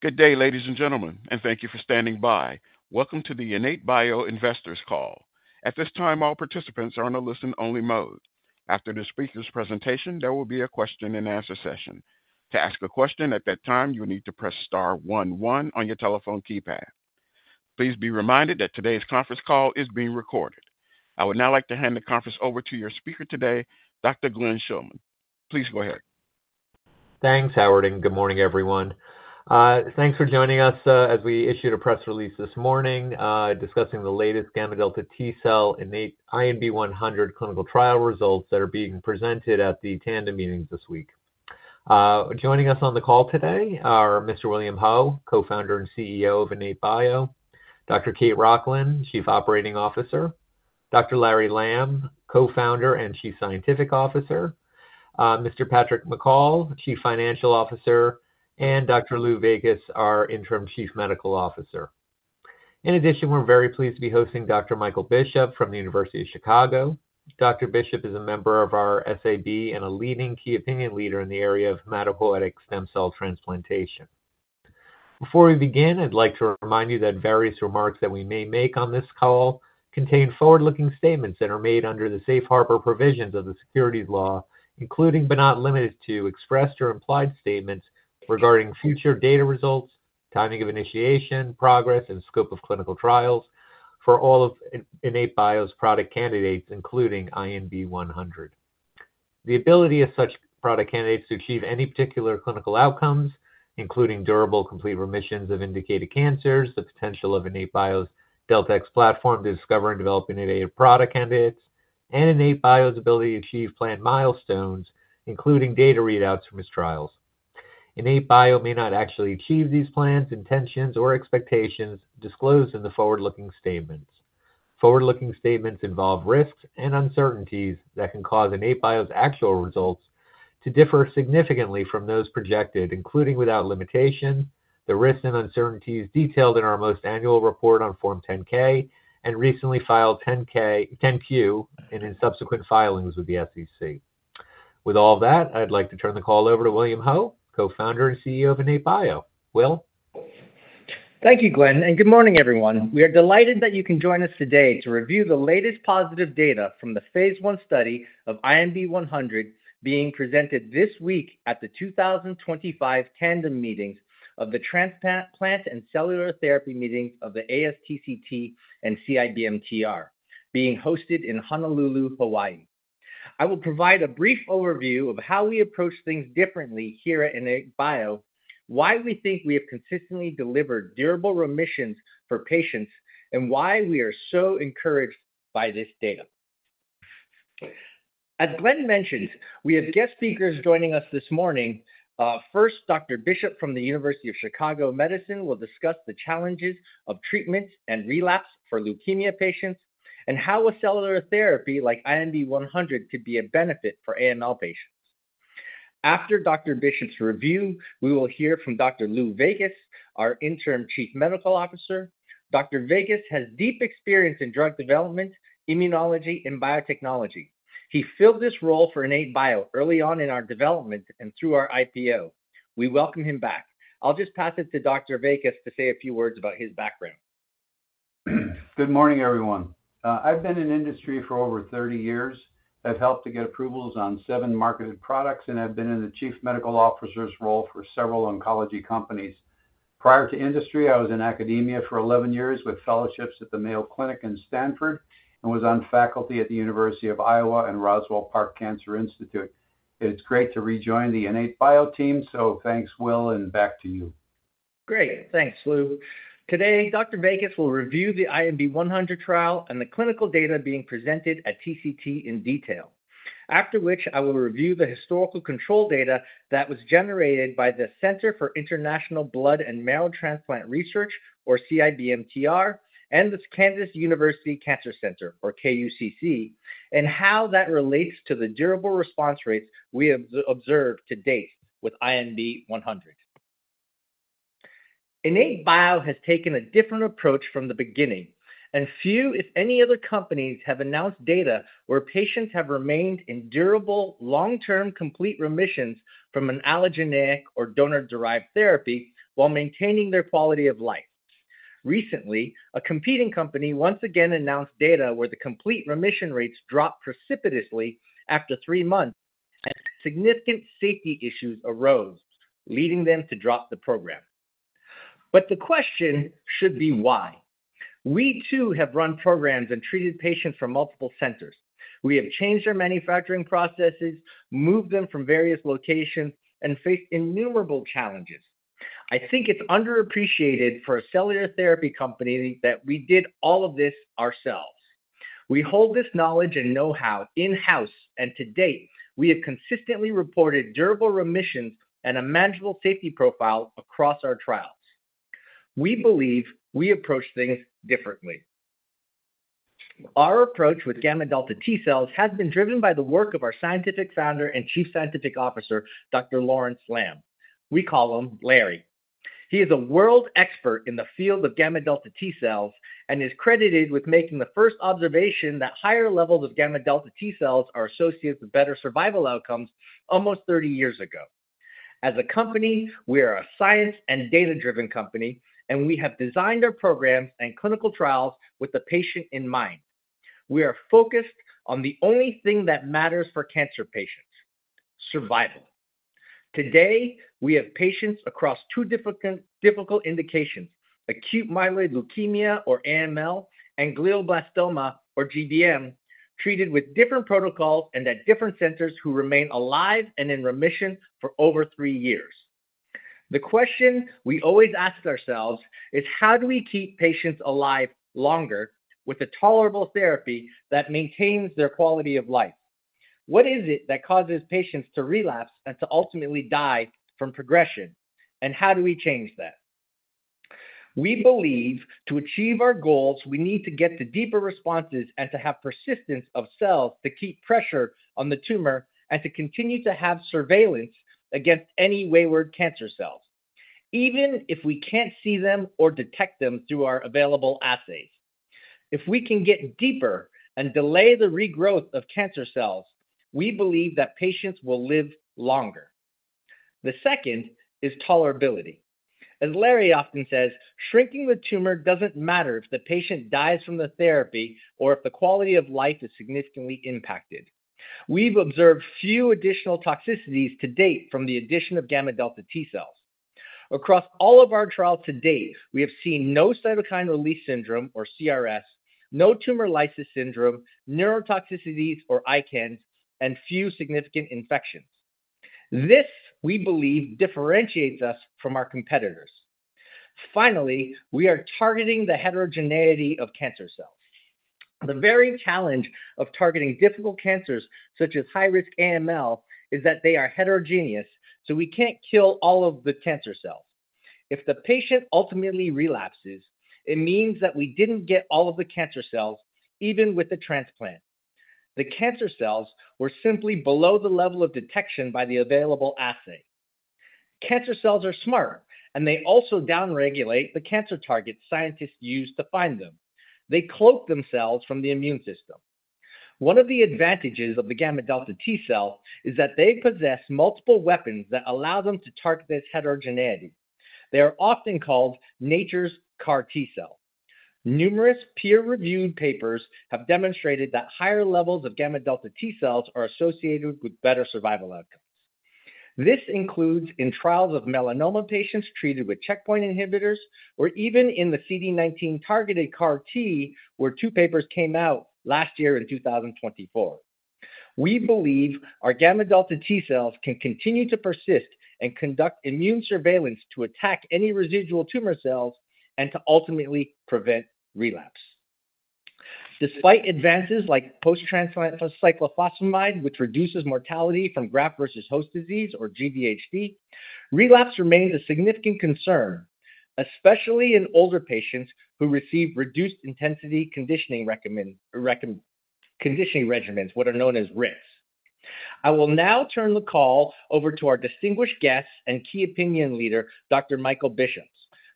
Good day, ladies and gentlemen, and thank you for standing by. Welcome to the IN8bio Investors Call. At this time, all participants are in a listen-only mode. After this speaker's presentation, there will be a question-and-answer session. To ask a question at that time, you'll need to press star one one on your telephone keypad. Please be reminded that today's conference call is being recorded. I would now like to hand the conference over to your speaker today, Dr. Glenn Schulman. Please go ahead. Thanks, Howard, and good morning, everyone. Thanks for joining us as we issued a press release this morning discussing the latest gamma-delta T-cell INB-100 clinical trial results that are being presented at the Tandem Meetings this week. Joining us on the call today are Mr. William Ho, Co-founder and CEO of IN8bio, Dr. Kate Rochlin, Chief Operating Officer, Dr. Larry Lamb, Co-founder and Chief Scientific Officer, Mr. Patrick McCall, Chief Financial Officer, and Dr. Lou Vaickus, our Interim Chief Medical Officer. In addition, we're very pleased to be hosting Dr. Michael Bishop from the University of Chicago. Dr. Bishop is a member of our SAB and a leading key opinion leader in the area of hematopoietic stem cell transplantation. Before we begin, I'd like to remind you that various remarks that we may make on this call contain forward-looking statements that are made under the safe harbor provisions of the securities law, including but not limited to expressed or implied statements regarding future data results, timing of initiation, progress, and scope of clinical trials for all of IN8bio's product candidates, including INB-100. The ability of such product candidates to achieve any particular clinical outcomes, including durable complete remissions of indicated cancers, the potential of IN8bio's DeltEx platform to discover and develop innovative product candidates, and IN8bio's ability to achieve planned milestones, including data readouts from its trials. IN8bio may not actually achieve these plans, intentions, or expectations disclosed in the forward-looking statements. Forward-looking statements involve risks and uncertainties that can cause IN8bio's actual results to differ significantly from those projected, including without limitation, the risks and uncertainties detailed in our most recent annual report on Form 10-K and recently filed 10-Q and in subsequent filings with the SEC. With all of that, I'd like to turn the call over to William Ho, Co-founder and CEO of IN8bio. Will. Thank you, Glenn, and good morning, everyone. We are delighted that you can join us today to review the latest positive data from the phase I study of INB-100 being presented this week at the 2025 Tandem Meetings of the Transplant and Cellular Therapy meetings of the ASTCT and CIBMTR, being hosted in Honolulu, Hawaii. I will provide a brief overview of how we approach things differently here at IN8bio, why we think we have consistently delivered durable remissions for patients, and why we are so encouraged by this data. As Glenn mentioned, we have guest speakers joining us this morning. First, Dr. Bishop from the University of Chicago Medicine will discuss the challenges of treatment and relapse for leukemia patients and how a cellular therapy like INB-100 could be a benefit for AML patients. After Dr. Bishop's review, we will hear from Dr. Lou Vaickus, our Interim Chief Medical Officer. Dr. Vaickus has deep experience in drug development, immunology, and biotechnology. He filled this role for IN8bio early on in our development and through our IPO. We welcome him back. I'll just pass it to Dr. Vaickus to say a few words about his background. Good morning, everyone. I've been in industry for over 30 years. I've helped to get approvals on seven marketed products and have been in the Chief Medical Officer's role for several oncology companies. Prior to industry, I was in academia for 11 years with fellowships at the Mayo Clinic and Stanford and was on faculty at the University of Iowa and Roswell Park Cancer Institute. It's great to rejoin the IN8bio team, so thanks, Will, and back to you. Great. Thanks, Lou. Today, Dr. Vaickus will review the INB-100 trial and the clinical data being presented at TCT in detail, after which I will review the historical control data that was generated by the Center for International Blood and Marrow Transplant Research, or CIBMTR, and the Kansas University Cancer Center, or KUCC, and how that relates to the durable response rates we have observed to date with INB-100. IN8bio has taken a different approach from the beginning, and few, if any, other companies have announced data where patients have remained in durable long-term complete remissions from an allogeneic or donor-derived therapy while maintaining their quality of life. Recently, a competing company once again announced data where the complete remission rates dropped precipitously after three months and significant safety issues arose, leading them to drop the program. The question should be why. We, too, have run programs and treated patients from multiple centers. We have changed our manufacturing processes, moved them from various locations, and faced innumerable challenges. I think it's underappreciated for a cellular therapy company that we did all of this ourselves. We hold this knowledge and know-how in-house, and to date, we have consistently reported durable remissions and a manageable safety profile across our trials. We believe we approach things differently. Our approach with gamma-delta T cells has been driven by the work of our scientific founder and Chief Scientific Officer, Dr. Lawrence Lamb. We call him Larry. He is a world expert in the field of gamma-delta T cells and is credited with making the first observation that higher levels of gamma-delta T cells are associated with better survival outcomes almost 30 years ago. As a company, we are a science and data-driven company, and we have designed our programs and clinical trials with the patient in mind. We are focused on the only thing that matters for cancer patients: survival. Today, we have patients across two difficult indications, acute myeloid leukemia, or AML, and glioblastoma, or GBM, treated with different protocols and at different centers who remain alive and in remission for over three years. The question we always ask ourselves is, how do we keep patients alive longer with a tolerable therapy that maintains their quality of life? What is it that causes patients to relapse and to ultimately die from progression, and how do we change that? We believe to achieve our goals, we need to get the deeper responses and to have persistence of cells to keep pressure on the tumor and to continue to have surveillance against any wayward cancer cells, even if we can't see them or detect them through our available assays. If we can get deeper and delay the regrowth of cancer cells, we believe that patients will live longer. The second is tolerability. As Larry often says, shrinking the tumor doesn't matter if the patient dies from the therapy or if the quality of life is significantly impacted. We've observed few additional toxicities to date from the addition of gamma-delta T cells. Across all of our trials to date, we have seen no cytokine release syndrome, or CRS, no tumor lysis syndrome, neurotoxicities, or ICANS, and few significant infections. This, we believe, differentiates us from our competitors. Finally, we are targeting the heterogeneity of cancer cells. The very challenge of targeting difficult cancers such as high-risk AML is that they are heterogeneous, so we can't kill all of the cancer cells. If the patient ultimately relapses, it means that we didn't get all of the cancer cells even with the transplant. The cancer cells were simply below the level of detection by the available assay. Cancer cells are smart, and they also downregulate the cancer targets scientists use to find them. They cloak themselves from the immune system. One of the advantages of the gamma-delta T-cell is that they possess multiple weapons that allow them to target this heterogeneity. They are often called nature's CAR T cell. Numerous peer-reviewed papers have demonstrated that higher levels of gamma-delta T cells are associated with better survival outcomes. This includes in trials of melanoma patients treated with checkpoint inhibitors or even in the CD19 targeted CAR T, where two papers came out last year in 2024. We believe our gamma-delta T cells can continue to persist and conduct immune surveillance to attack any residual tumor cells and to ultimately prevent relapse. Despite advances like post-transplant cyclophosphamide, which reduces mortality from graft versus host disease, or GVHD, relapse remains a significant concern, especially in older patients who receive reduced-intensity conditioning regimens, what are known as RICs. I will now turn the call over to our distinguished guest and key opinion leader, Dr. Michael Bishop,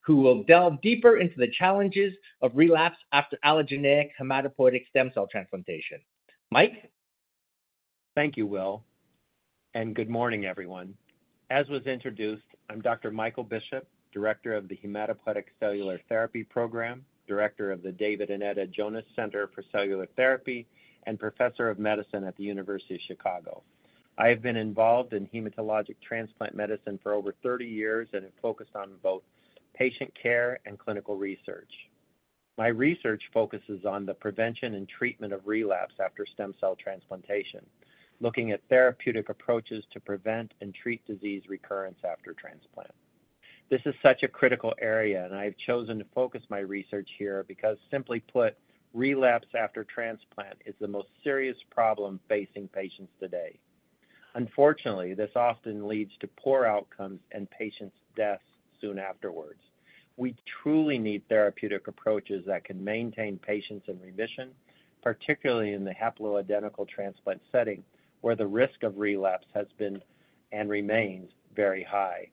who will delve deeper into the challenges of relapse after allogeneic hematopoietic stem cell transplantation. Mike. Thank you, Will, and good morning, everyone. As was introduced, I'm Dr. Michael Bishop, Director of the Hematopoietic Cellular Therapy Program, Director of the David & Etta Jonas Center for Cellular Therapy, and Professor of Medicine at the University of Chicago. I have been involved in hematologic transplant medicine for over 30 years and have focused on both patient care and clinical research. My research focuses on the prevention and treatment of relapse after stem cell transplantation, looking at therapeutic approaches to prevent and treat disease recurrence after transplant. This is such a critical area, and I have chosen to focus my research here because, simply put, relapse after transplant is the most serious problem facing patients today. Unfortunately, this often leads to poor outcomes and patients' deaths soon afterwards. We truly need therapeutic approaches that can maintain patients in remission, particularly in the haploidentical transplant setting where the risk of relapse has been and remains very high.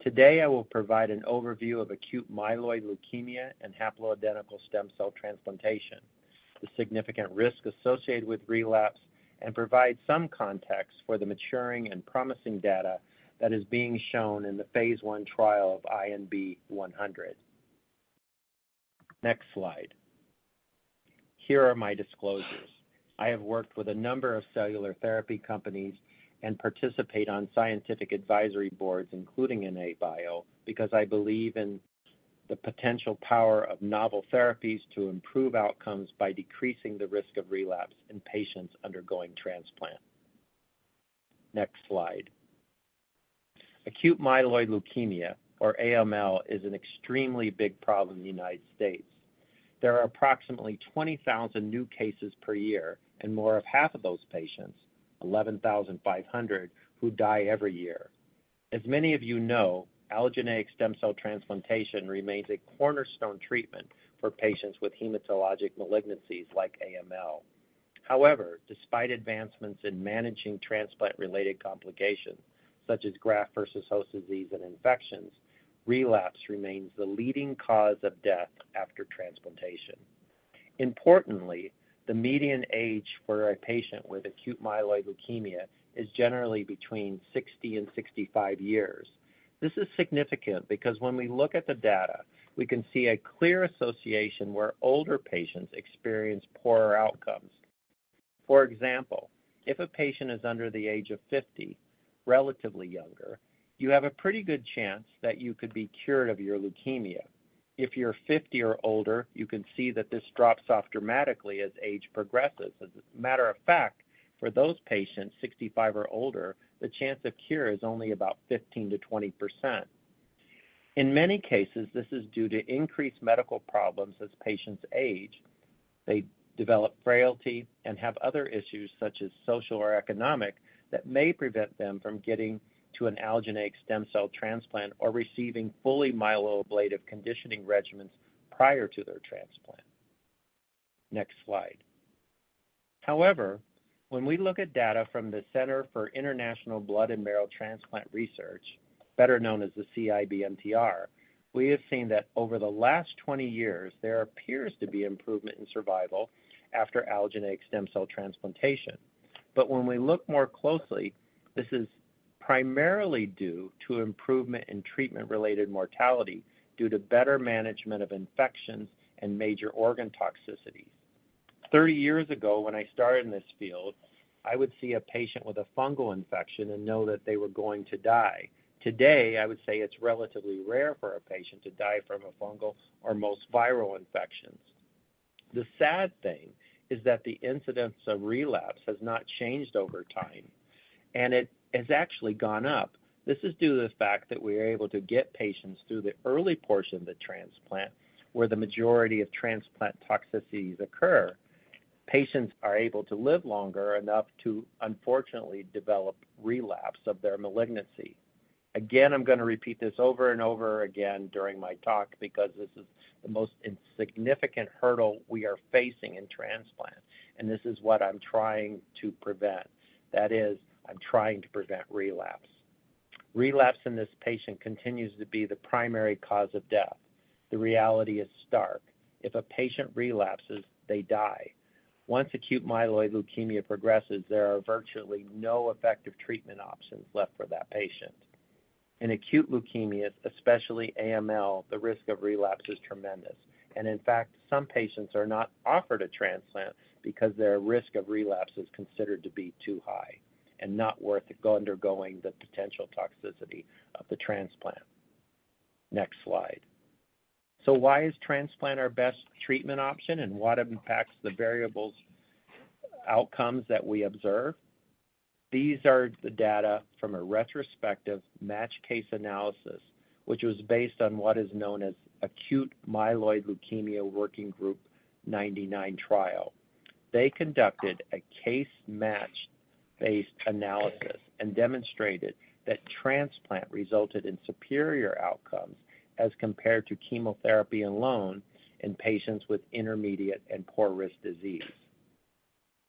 Today, I will provide an overview of acute myeloid leukemia and haploidentical stem cell transplantation, the significant risk associated with relapse, and provide some context for the maturing and promising data that is being shown in the phase I trial of INB-100. Next slide. Here are my disclosures. I have worked with a number of cellular therapy companies and participate on scientific advisory boards, including IN8bio, because I believe in the potential power of novel therapies to improve outcomes by decreasing the risk of relapse in patients undergoing transplant. Next slide. Acute myeloid leukemia, or AML, is an extremely big problem in the United States. There are approximately 20,000 new cases per year, and more than half of those patients, 11,500, who die every year. As many of you know, allogeneic stem cell transplantation remains a cornerstone treatment for patients with hematologic malignancies like AML. However, despite advancements in managing transplant-related complications, such as graft versus host disease and infections, relapse remains the leading cause of death after transplantation. Importantly, the median age for a patient with acute myeloid leukemia is generally between 60 and 65 years. This is significant because when we look at the data, we can see a clear association where older patients experience poorer outcomes. For example, if a patient is under the age of 50, relatively younger, you have a pretty good chance that you could be cured of your leukemia. If you're 50 or older, you can see that this drops off dramatically as age progresses. As a matter of fact, for those patients 65 or older, the chance of cure is only about 15-20%. In many cases, this is due to increased medical problems as patients age. They develop frailty and have other issues such as social or economic that may prevent them from getting to an allogeneic stem cell transplant or receiving fully myeloablative conditioning regimens prior to their transplant. Next slide. However, when we look at data from the Center for International Blood and Marrow Transplant Research, better known as the CIBMTR, we have seen that over the last 20 years, there appears to be improvement in survival after allogeneic stem cell transplantation. When we look more closely, this is primarily due to improvement in treatment-related mortality due to better management of infections and major organ toxicities. Thirty years ago, when I started in this field, I would see a patient with a fungal infection and know that they were going to die. Today, I would say it's relatively rare for a patient to die from a fungal or most viral infections. The sad thing is that the incidence of relapse has not changed over time, and it has actually gone up. This is due to the fact that we are able to get patients through the early portion of the transplant, where the majority of transplant toxicities occur. Patients are able to live long enough to, unfortunately, develop relapse of their malignancy. Again, I'm going to repeat this over and over again during my talk because this is the most significant hurdle we are facing in transplant, and this is what I'm trying to prevent. That is, I'm trying to prevent relapse. Relapse in this patient continues to be the primary cause of death. The reality is stark. If a patient relapses, they die. Once acute myeloid leukemia progresses, there are virtually no effective treatment options left for that patient. In acute leukemias, especially AML, the risk of relapse is tremendous. In fact, some patients are not offered a transplant because their risk of relapse is considered to be too high and not worth undergoing the potential toxicity of the transplant. Next slide. Why is transplant our best treatment option, and what impacts the variables outcomes that we observe? These are the data from a retrospective match case analysis, which was based on what is known as the Acute Myeloid Leukemia Working Group 99 trial. They conducted a case-matched-based analysis and demonstrated that transplant resulted in superior outcomes as compared to chemotherapy alone in patients with intermediate and poor-risk disease.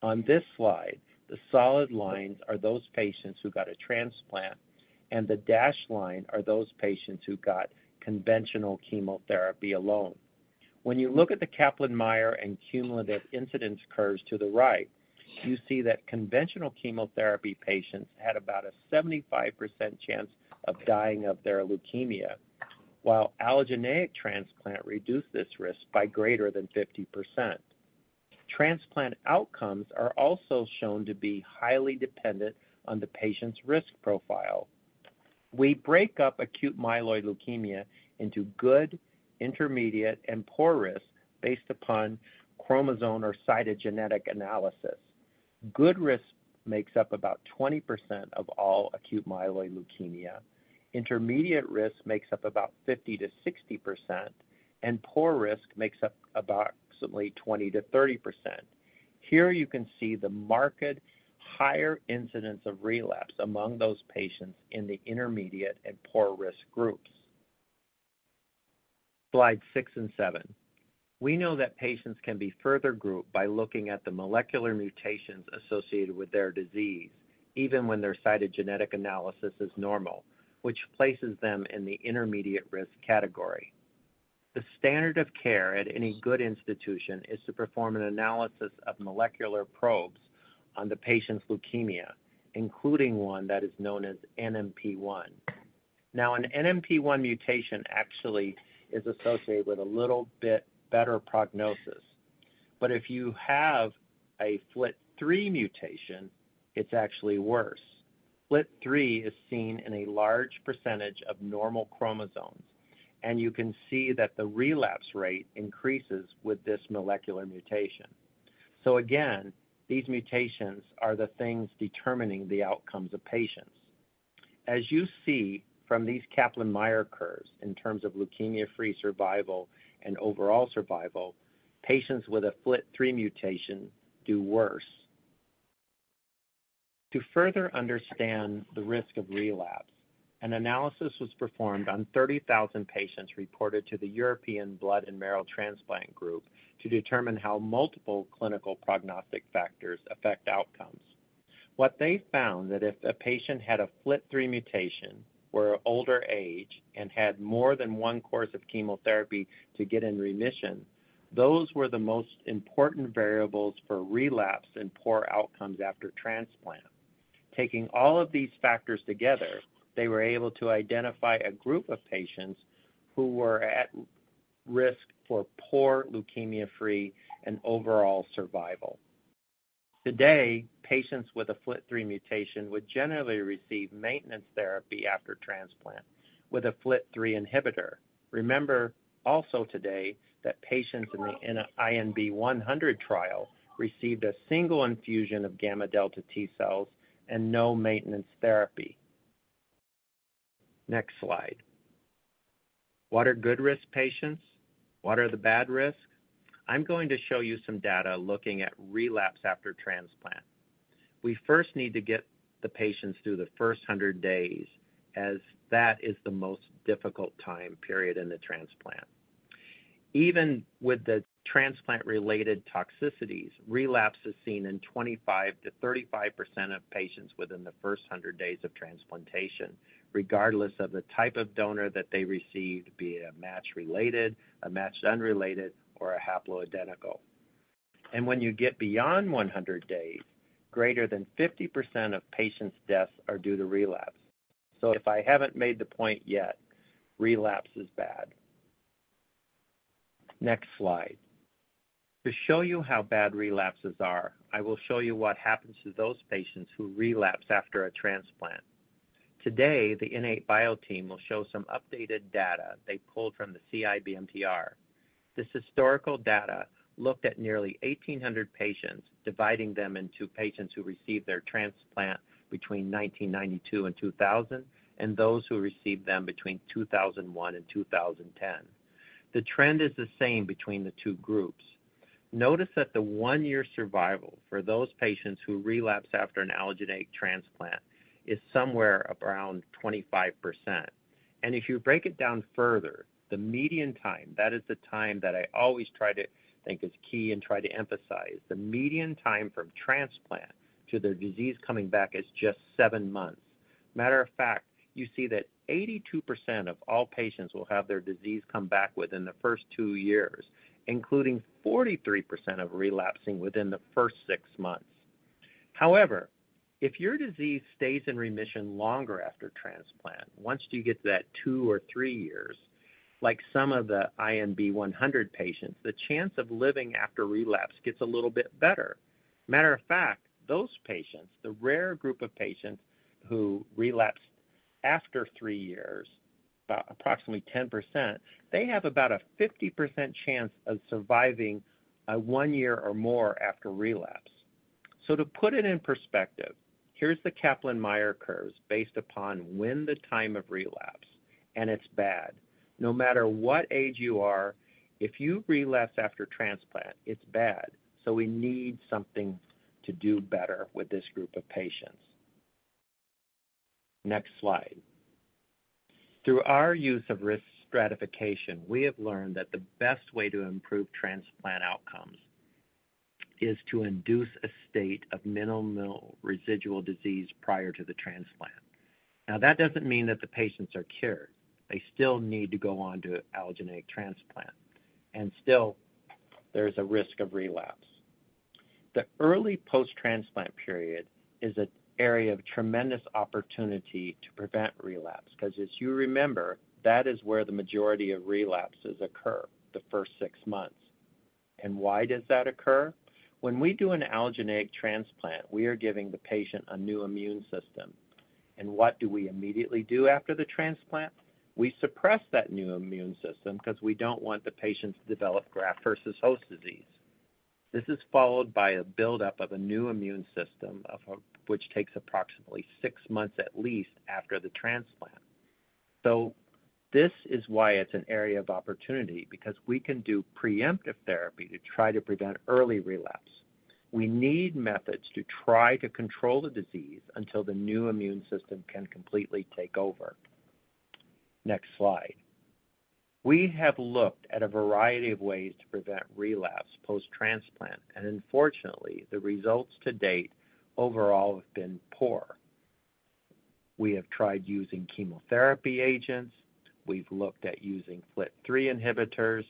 On this slide, the solid lines are those patients who got a transplant, and the dashed line are those patients who got conventional chemotherapy alone. When you look at the Kaplan-Meier and cumulative incidence curves to the right, you see that conventional chemotherapy patients had about a 75% chance of dying of their leukemia, while allogeneic transplant reduced this risk by greater than 50%. Transplant outcomes are also shown to be highly dependent on the patient's risk profile. We break up acute myeloid leukemia into good, intermediate, and poor risk based upon chromosome or cytogenetic analysis. Good risk makes up about 20% of all acute myeloid leukemia. Intermediate risk makes up about 50-60%, and poor risk makes up approximately 20-30%. Here you can see the marked higher incidence of relapse among those patients in the intermediate and poor-risk groups. Slide 6 and 7. We know that patients can be further grouped by looking at the molecular mutations associated with their disease, even when their cytogenetic analysis is normal, which places them in the intermediate risk category. The standard of care at any good institution is to perform an analysis of molecular probes on the patient's leukemia, including one that is known as NPM1. Now, an NPM1 mutation actually is associated with a little bit better prognosis, but if you have a FLT3 mutation, it's actually worse. FLT3 is seen in a large percentage of normal chromosomes, and you can see that the relapse rate increases with this molecular mutation. These mutations are the things determining the outcomes of patients. As you see from these Kaplan-Meier curves in terms of leukemia-free survival and overall survival, patients with a FLT3 mutation do worse. To further understand the risk of relapse, an analysis was performed on 30,000 patients reported to the European Blood and Marrow Transplant Group to determine how multiple clinical prognostic factors affect outcomes. What they found is that if a patient had a FLT3 mutation, were of older age, and had more than one course of chemotherapy to get in remission, those were the most important variables for relapse and poor outcomes after transplant. Taking all of these factors together, they were able to identify a group of patients who were at risk for poor leukemia-free and overall survival. Today, patients with a FLT3 mutation would generally receive maintenance therapy after transplant with a FLT3 inhibitor. Remember also today that patients in the INB-100 trial received a single infusion of gamma-delta T cells and no maintenance therapy. Next slide. What are good risk patients? What are the bad risks? I'm going to show you some data looking at relapse after transplant. We first need to get the patients through the first 100 days, as that is the most difficult time period in the transplant. Even with the transplant-related toxicities, relapse is seen in 25-35% of patients within the first 100 days of transplantation, regardless of the type of donor that they received, be it a match-related, a match-unrelated, or a haploidentical. When you get beyond 100 days, greater than 50% of patients' deaths are due to relapse. If I haven't made the point yet, relapse is bad. Next slide. To show you how bad relapses are, I will show you what happens to those patients who relapse after a transplant. Today, the IN8bio team will show some updated data they pulled from the CIBMTR. This historical data looked at nearly 1,800 patients, dividing them into patients who received their transplant between 1992 and 2000 and those who received them between 2001 and 2010. The trend is the same between the two groups. Notice that the one-year survival for those patients who relapse after an allogeneic transplant is somewhere around 25%. If you break it down further, the median time, that is the time that I always try to think is key and try to emphasize, the median time from transplant to their disease coming back is just seven months. Matter of fact, you see that 82% of all patients will have their disease come back within the first two years, including 43% of relapsing within the first six months. However, if your disease stays in remission longer after transplant, once you get to that two or three years, like some of the INB-100 patients, the chance of living after relapse gets a little bit better. Matter of fact, those patients, the rare group of patients who relapsed after three years, about approximately 10%, they have about a 50% chance of surviving a one year or more after relapse. To put it in perspective, here is the Kaplan-Meier curves based upon when the time of relapse, and it is bad. No matter what age you are, if you relapse after transplant, it is bad. We need something to do better with this group of patients. Next slide. Through our use of risk stratification, we have learned that the best way to improve transplant outcomes is to induce a state of minimal residual disease prior to the transplant. Now, that doesn't mean that the patients are cured. They still need to go on to allogeneic transplant. There is still a risk of relapse. The early post-transplant period is an area of tremendous opportunity to prevent relapse, because as you remember, that is where the majority of relapses occur, the first six months. Why does that occur? When we do an allogeneic transplant, we are giving the patient a new immune system. What do we immediately do after the transplant? We suppress that new immune system because we don't want the patients to develop graft versus host disease. This is followed by a buildup of a new immune system, which takes approximately six months at least after the transplant. This is why it's an area of opportunity, because we can do preemptive therapy to try to prevent early relapse. We need methods to try to control the disease until the new immune system can completely take over. Next slide. We have looked at a variety of ways to prevent relapse post-transplant, and unfortunately, the results to date overall have been poor. We have tried using chemotherapy agents. We've looked at using FLT3 inhibitors,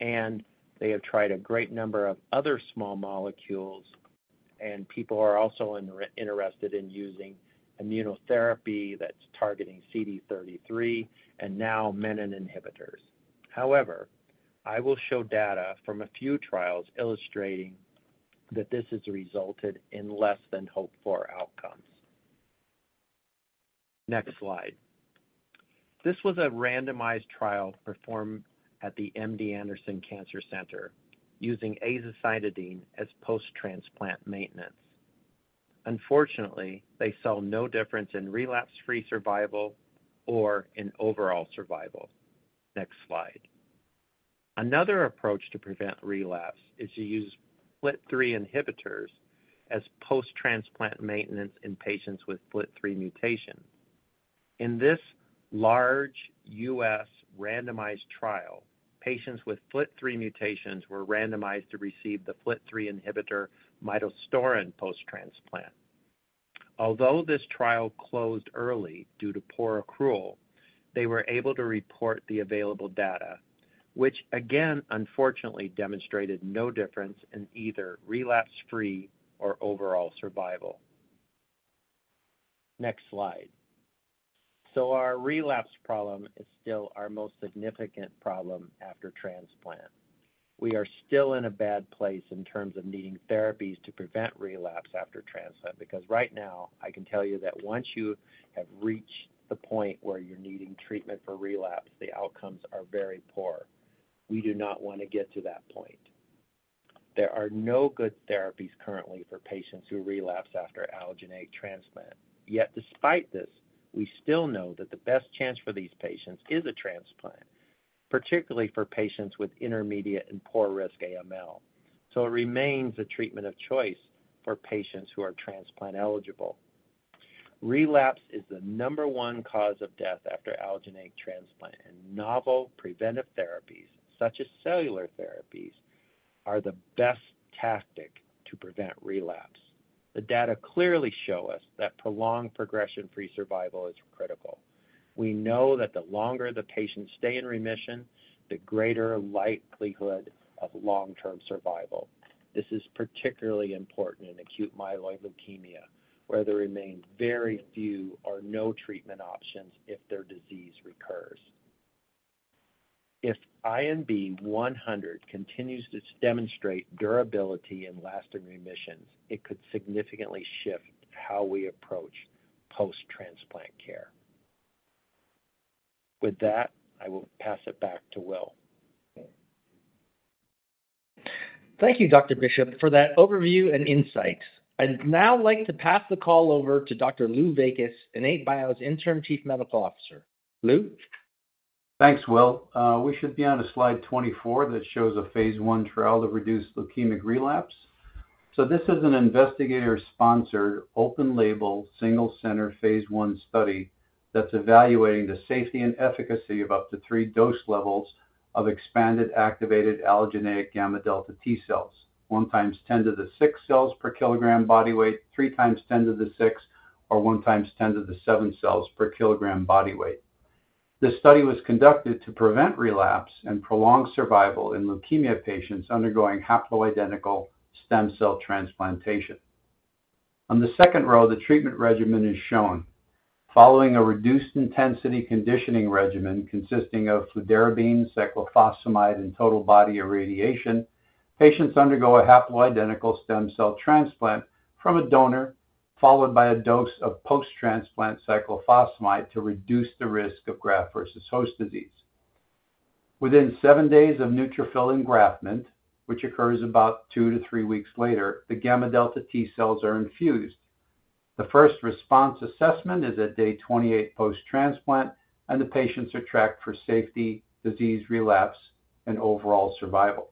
and they have tried a great number of other small molecules, and people are also interested in using immunotherapy that's targeting CD33 and now menin inhibitors. However, I will show data from a few trials illustrating that this has resulted in less than hoped-for outcomes. Next slide. This was a randomized trial performed at the MD Anderson Cancer Center using azacitidine as post-transplant maintenance. Unfortunately, they saw no difference in relapse-free survival or in overall survival. Next slide. Another approach to prevent relapse is to use FLT3 inhibitors as post-transplant maintenance in patients with FLT3 mutation. In this large U.S. randomized trial, patients with FLT3 mutations were randomized to receive the FLT3 inhibitor midostaurin post-transplant. Although this trial closed early due to poor accrual, they were able to report the available data, which again, unfortunately, demonstrated no difference in either relapse-free or overall survival. Next slide. Our relapse problem is still our most significant problem after transplant. We are still in a bad place in terms of needing therapies to prevent relapse after transplant, because right now, I can tell you that once you have reached the point where you're needing treatment for relapse, the outcomes are very poor. We do not want to get to that point. There are no good therapies currently for patients who relapse after allogeneic transplant. Yet despite this, we still know that the best chance for these patients is a transplant, particularly for patients with intermediate and poor-risk AML. It remains the treatment of choice for patients who are transplant eligible. Relapse is the number one cause of death after allogeneic transplant, and novel preventive therapies, such as cellular therapies, are the best tactic to prevent relapse. The data clearly show us that prolonged progression-free survival is critical. We know that the longer the patients stay in remission, the greater likelihood of long-term survival. This is particularly important in acute myeloid leukemia, where there remain very few or no treatment options if their disease recurs. If INB-100 continues to demonstrate durability and lasting remissions, it could significantly shift how we approach post-transplant care. With that, I will pass it back to Will. Thank you, Dr. Bishop, for that overview and insights. I'd now like to pass the call over to Dr. Lou Vaickus, IN8bio's Interim Chief Medical Officer. Lou? Thanks, Will. We should be on to slide 24 that shows a phase I trial to reduce leukemic relapse. This is an investigator-sponsored open-label single-center phase I study that's evaluating the safety and efficacy of up to three dose levels of expanded activated allogeneic gamma-delta T cells, 1 times 10 to the 6 cells per kilogram body weight, 3 times 10 to the 6, or 1 times 10 to the 7 cells per kilogram body weight. This study was conducted to prevent relapse and prolong survival in leukemia patients undergoing haploidentical stem cell transplantation. On the second row, the treatment regimen is shown. Following a reduced-intensity conditioning regimen consisting of fludarabine, cyclophosphamide, and total body irradiation, patients undergo a haploidentical stem cell transplant from a donor, followed by a dose of post-transplant cyclophosphamide to reduce the risk of graft versus host disease. Within seven days of neutrophil engraftment, which occurs about two to three weeks later, the gamma-delta T cells are infused. The first response assessment is at day 28 post-transplant, and the patients are tracked for safety, disease relapse, and overall survival.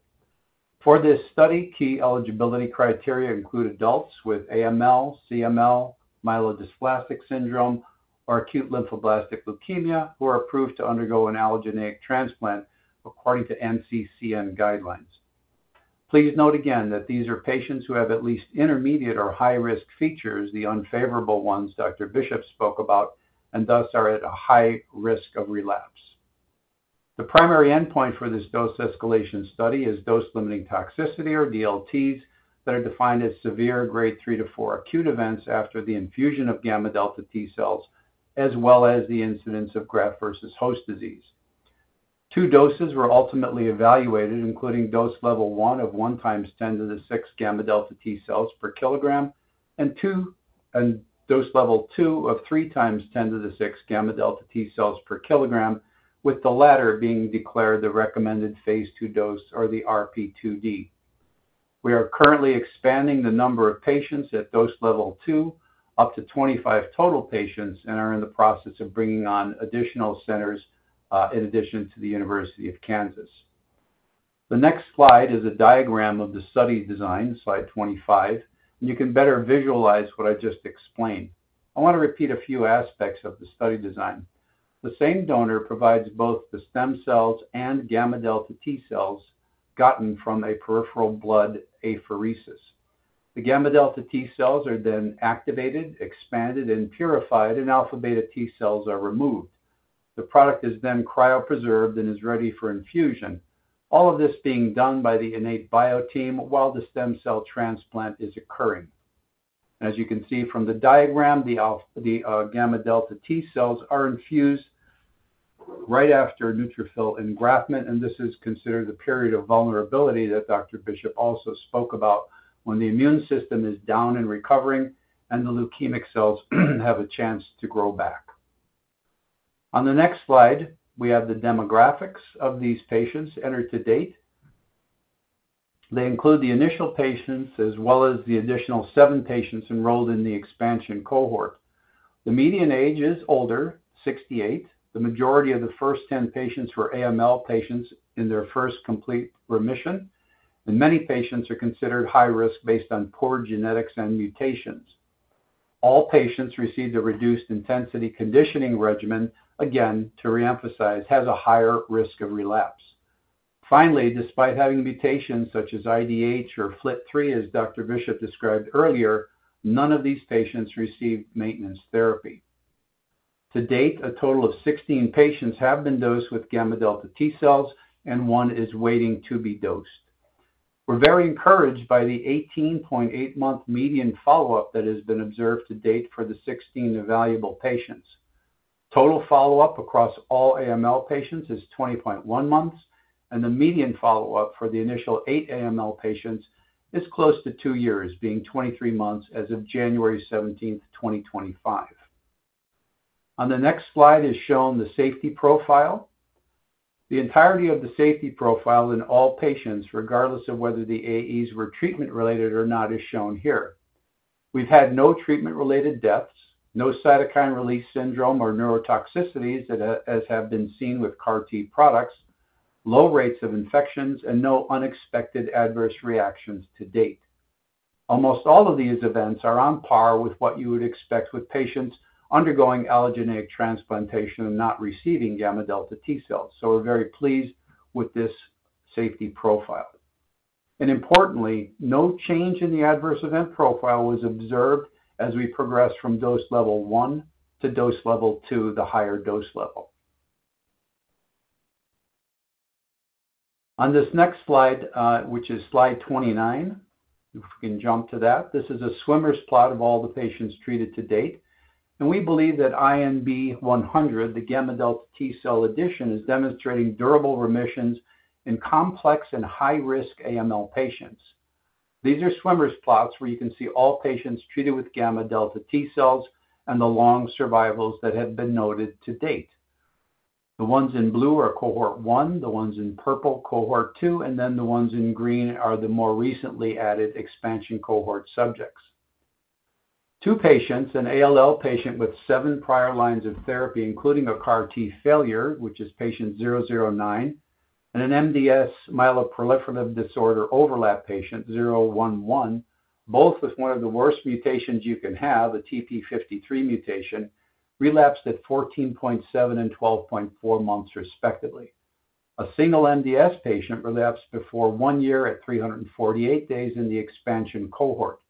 For this study, key eligibility criteria include adults with AML, CML, myelodysplastic syndrome, or acute lymphoblastic leukemia who are approved to undergo an allogeneic transplant according to NCCN guidelines. Please note again that these are patients who have at least intermediate or high-risk features, the unfavorable ones Dr. Bishop spoke about, and thus are at a high risk of relapse. The primary endpoint for this dose escalation study is dose-limiting toxicity, or DLTs, that are defined as severe grade 3 to 4 acute events after the infusion of gamma-delta T cells, as well as the incidence of graft versus host disease. Two doses were ultimately evaluated, including dose level 1 of 1 times 10 to the 6 gamma-delta T cells per kilogram and dose level 2 of 3 times 10 to the 6 gamma-delta T cells per kilogram, with the latter being declared the recommended phase II dose, or the RP2D. We are currently expanding the number of patients at dose level 2 up to 25 total patients and are in the process of bringing on additional centers in addition to the University of Kansas. The next slide is a diagram of the study design, slide 25, and you can better visualize what I just explained. I want to repeat a few aspects of the study design. The same donor provides both the stem cells and gamma-delta T cells gotten from a peripheral blood apheresis. The gamma-delta T cells are then activated, expanded, and purified, and alpha-beta T cells are removed. The product is then cryopreserved and is ready for infusion, all of this being done by the IN8bio team while the stem cell transplant is occurring. As you can see from the diagram, the gamma-delta T cells are infused right after neutrophil engraftment, and this is considered the period of vulnerability that Dr. Bishop also spoke about when the immune system is down and recovering and the leukemic cells have a chance to grow back. On the next slide, we have the demographics of these patients entered to date. They include the initial patients as well as the additional seven patients enrolled in the expansion cohort. The median age is older, 68. The majority of the first 10 patients were AML patients in their first complete remission, and many patients are considered high risk based on poor genetics and mutations. All patients received a reduced-intensity conditioning regimen, again, to reemphasize, has a higher risk of relapse. Finally, despite having mutations such as IDH or FLT3, as Dr. Bishop described earlier, none of these patients received maintenance therapy. To date, a total of 16 patients have been dosed with gamma-delta T cells, and one is waiting to be dosed. We're very encouraged by the 18.8-month median follow-up that has been observed to date for the 16 evaluable patients. Total follow-up across all AML patients is 20.1 months, and the median follow-up for the initial eight AML patients is close to two years, being 23 months as of January 17, 2025. On the next slide is shown the safety profile. The entirety of the safety profile in all patients, regardless of whether the AEs were treatment-related or not, is shown here. We've had no treatment-related deaths, no cytokine release syndrome or neurotoxicities as have been seen with CAR T products, low rates of infections, and no unexpected adverse reactions to date. Almost all of these events are on par with what you would expect with patients undergoing allogeneic transplantation and not receiving gamma-delta T cells, so we're very pleased with this safety profile. Importantly, no change in the adverse event profile was observed as we progressed from dose level 1 to dose level 2, the higher dose level. On this next slide, which is slide 29, if we can jump to that, this is a swimmer's plot of all the patients treated to date, and we believe that INB-100, the gamma-delta T cell addition, is demonstrating durable remissions in complex and high-risk AML patients. These are swimmer's plots where you can see all patients treated with gamma-delta T cells and the long survivals that have been noted to date. The ones in blue are cohort 1, the ones in purple cohort 2, and then the ones in green are the more recently added expansion cohort subjects. Two patients, an ALL patient with seven prior lines of therapy, including a CAR T failure, which is patient 009, and an MDS myeloproliferative disorder overlap patient 011, both with one of the worst mutations you can have, a TP53 mutation, relapsed at 14.7 and 12.4 months respectively. A single MDS patient relapsed before one year at 348 days in the expansion cohort.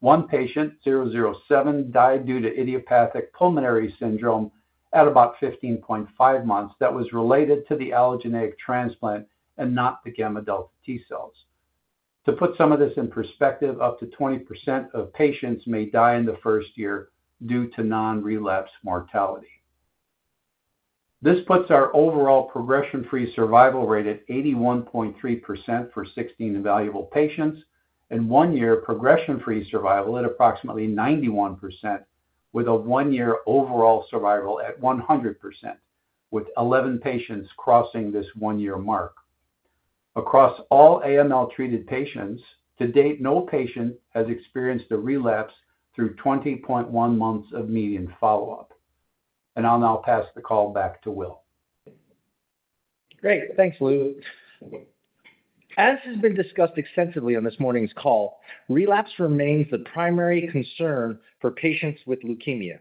One patient, 007, died due to idiopathic pulmonary syndrome at about 15.5 months that was related to the allogeneic transplant and not the gamma-delta T cells. To put some of this in perspective, up to 20% of patients may die in the first year due to non-relapse mortality. This puts our overall progression-free survival rate at 81.3% for 16 evaluable patients and one-year progression-free survival at approximately 91%, with a one-year overall survival at 100%, with 11 patients crossing this one-year mark. Across all AML-treated patients to date, no patient has experienced a relapse through 20.1 months of median follow-up. I'll now pass the call back to Will. Great. Thanks, Lou. As has been discussed extensively on this morning's call, relapse remains the primary concern for patients with leukemia.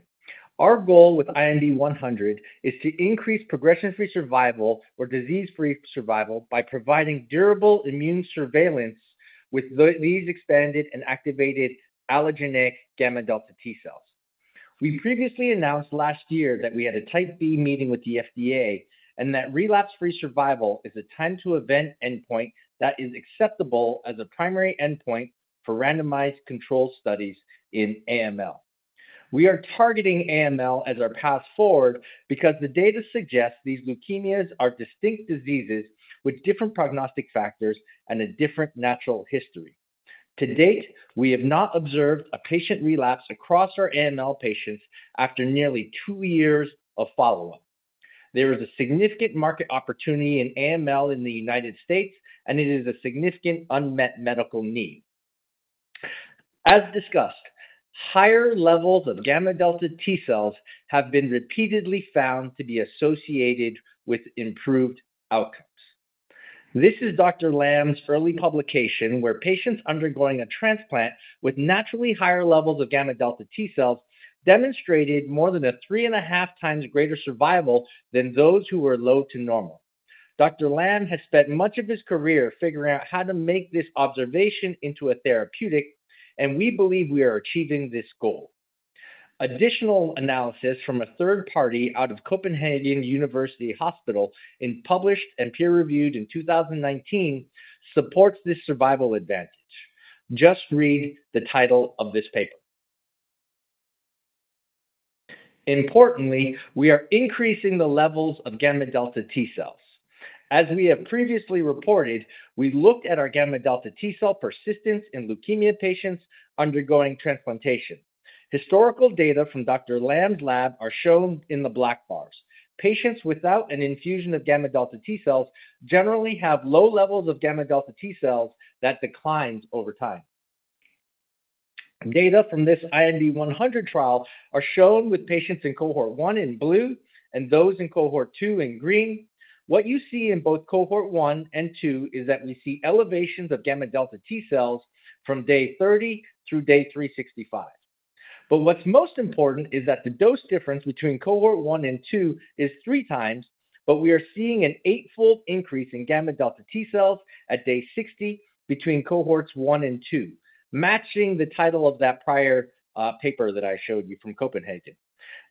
Our goal with INB-100 is to increase progression-free survival or disease-free survival by providing durable immune surveillance with these expanded and activated allogeneic gamma-delta T cells. We previously announced last year that we had a type B meeting with the FDA and that relapse-free survival is a time-to-event endpoint that is acceptable as a primary endpoint for randomized control studies in AML. We are targeting AML as our path forward because the data suggests these leukemias are distinct diseases with different prognostic factors and a different natural history. To date, we have not observed a patient relapse across our AML patients after nearly two years of follow-up. There is a significant market opportunity in AML in the United States, and it is a significant unmet medical need. As discussed, higher levels of gamma-delta T cells have been repeatedly found to be associated with improved outcomes. This is Dr. Lamb's early publication where patients undergoing a transplant with naturally higher levels of gamma-delta T cells demonstrated more than a three-and-a-half times greater survival than those who were low to normal. Dr. Lamb has spent much of his career figuring out how to make this observation into a therapeutic, and we believe we are achieving this goal. Additional analysis from a third party out of Copenhagen University Hospital and published and peer-reviewed in 2019 supports this survival advantage. Just read the title of this paper. Importantly, we are increasing the levels of gamma-delta T cells. As we have previously reported, we looked at our gamma-delta T cell persistence in leukemia patients undergoing transplantation. Historical data from Dr. Lamb's lab are shown in the black bars. Patients without an infusion of gamma-delta T cells generally have low levels of gamma-delta T cells that decline over time. Data from this INB-100 trial are shown with patients in cohort 1 in blue and those in cohort 2 in green. What you see in both cohort 1 and 2 is that we see elevations of gamma-delta T cells from day 30 through day 365. What is most important is that the dose difference between cohort 1 and 2 is three times, but we are seeing an eightfold increase in gamma-delta T cells at day 60 between cohorts 1 and 2, matching the title of that prior paper that I showed you from Copenhagen.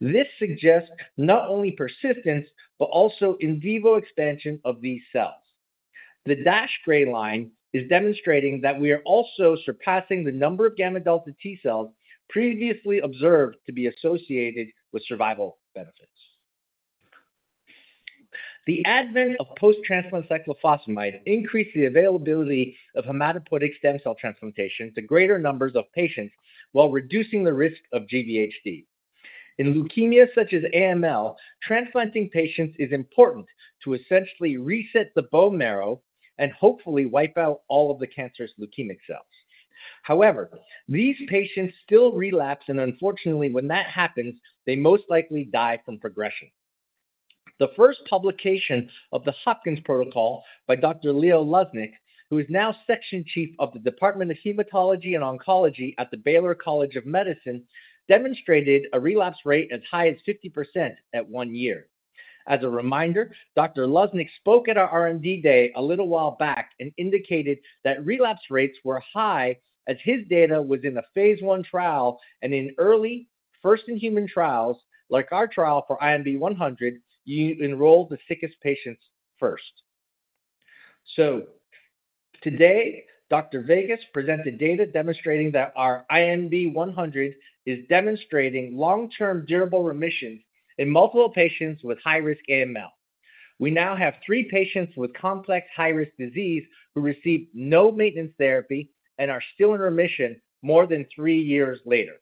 This suggests not only persistence but also in vivo expansion of these cells. The dashed gray line is demonstrating that we are also surpassing the number of gamma-delta T cells previously observed to be associated with survival benefits. The advent of post-transplant cyclophosphamide increased the availability of hematopoietic stem cell transplantation to greater numbers of patients while reducing the risk of GVHD. In leukemias such as AML, transplanting patients is important to essentially reset the bone marrow and hopefully wipe out all of the cancerous leukemic cells. However, these patients still relapse, and unfortunately, when that happens, they most likely die from progression. The first publication of the Hopkins Protocol by Dr. Leo Luznik, who is now Section Chief of the Department of Hematology and Oncology at the Baylor College of Medicine, demonstrated a relapse rate as high as 50% at one year. As a reminder, Dr. Luznik spoke at our R&D day a little while back and indicated that relapse rates were high as his data was in a phase I trial and in early first-in-human trials like our trial for INB-100, you enroll the sickest patients first. Today, Dr. Vaickus presented data demonstrating that our INB-100 is demonstrating long-term durable remissions in multiple patients with high-risk AML. We now have three patients with complex high-risk disease who received no maintenance therapy and are still in remission more than three years later.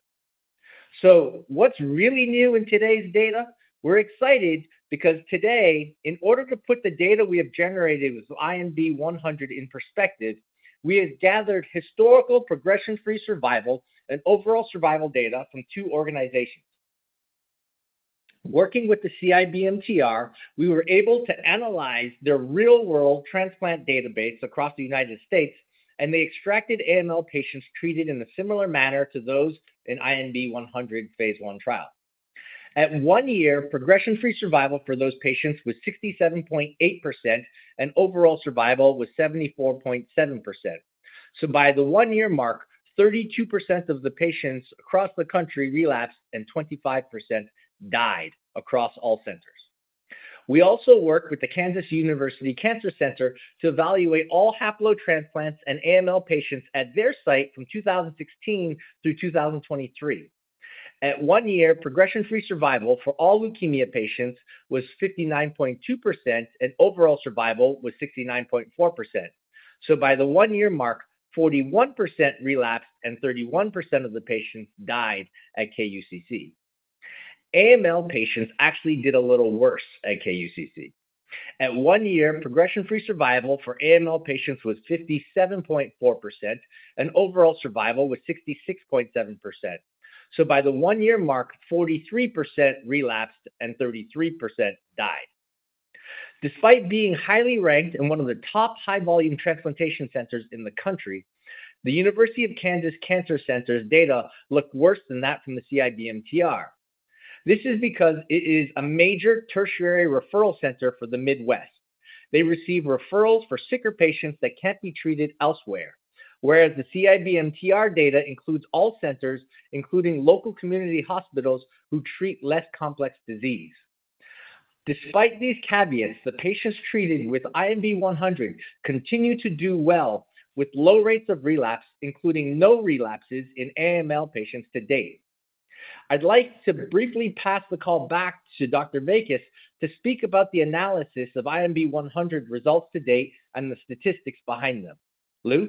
What is really new in today's data? We are excited because today, in order to put the data we have generated with INB-100 in perspective, we have gathered historical progression-free survival and overall survival data from two organizations. Working with the CIBMTR, we were able to analyze their real-world transplant database across the United States, and they extracted AML patients treated in a similar manner to those in the INB-100 phase I trial. At one year, progression-free survival for those patients was 67.8%, and overall survival was 74.7%. By the one-year mark, 32% of the patients across the country relapsed and 25% died across all centers. We also worked with the Kansas University Cancer Center to evaluate all haplo transplants and AML patients at their site from 2016 through 2023. At one year, progression-free survival for all leukemia patients was 59.2%, and overall survival was 69.4%. By the one-year mark, 41% relapsed and 31% of the patients died at KUCC. AML patients actually did a little worse at KUCC. At one year, progression-free survival for AML patients was 57.4%, and overall survival was 66.7%. By the one-year mark, 43% relapsed and 33% died. Despite being highly ranked and one of the top high-volume transplantation centers in the country, the University of Kansas Cancer Center's data looked worse than that from the CIBMTR. This is because it is a major tertiary referral center for the Midwest. They receive referrals for sicker patients that can't be treated elsewhere, whereas the CIBMTR data includes all centers, including local community hospitals who treat less complex disease. Despite these caveats, the patients treated with INB-100 continue to do well with low rates of relapse, including no relapses in AML patients to date. I'd like to briefly pass the call back to Dr. Vaickus to speak about the analysis of INB-100 results to date and the statistics behind them. Lou?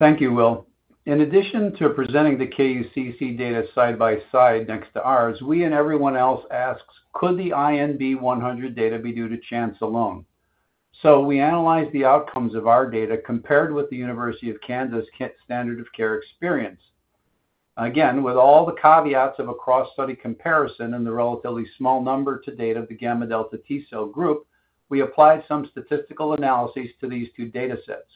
Thank you, Will. In addition to presenting the KUCC data side by side next to ours, we and everyone else asks, could the INB-100 data be due to chance alone? We analyzed the outcomes of our data compared with the University of Kansas standard of care experience. Again, with all the caveats of a cross-study comparison and the relatively small number to date of the gamma-delta T-cell group, we applied some statistical analyses to these two data sets.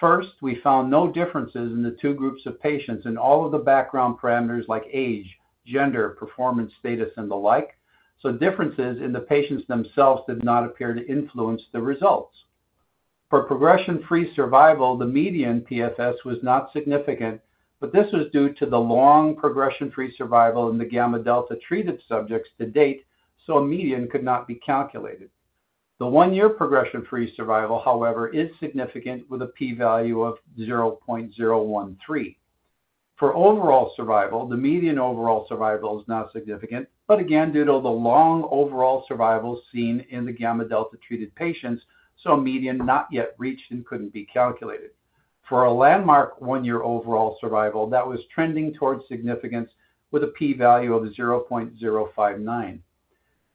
First, we found no differences in the two groups of patients in all of the background parameters like age, gender, performance, status, and the like, so differences in the patients themselves did not appear to influence the results. For progression-free survival, the median PFS was not significant, but this was due to the long progression-free survival in the gamma-delta treated subjects to date, so a median could not be calculated. The one-year progression-free survival, however, is significant with a p-value of 0.013. For overall survival, the median overall survival is not significant, but again, due to the long overall survival seen in the gamma delta treated patients, so a median not yet reached and couldn't be calculated. For a landmark one-year overall survival, that was trending towards significance with a p-value of 0.059.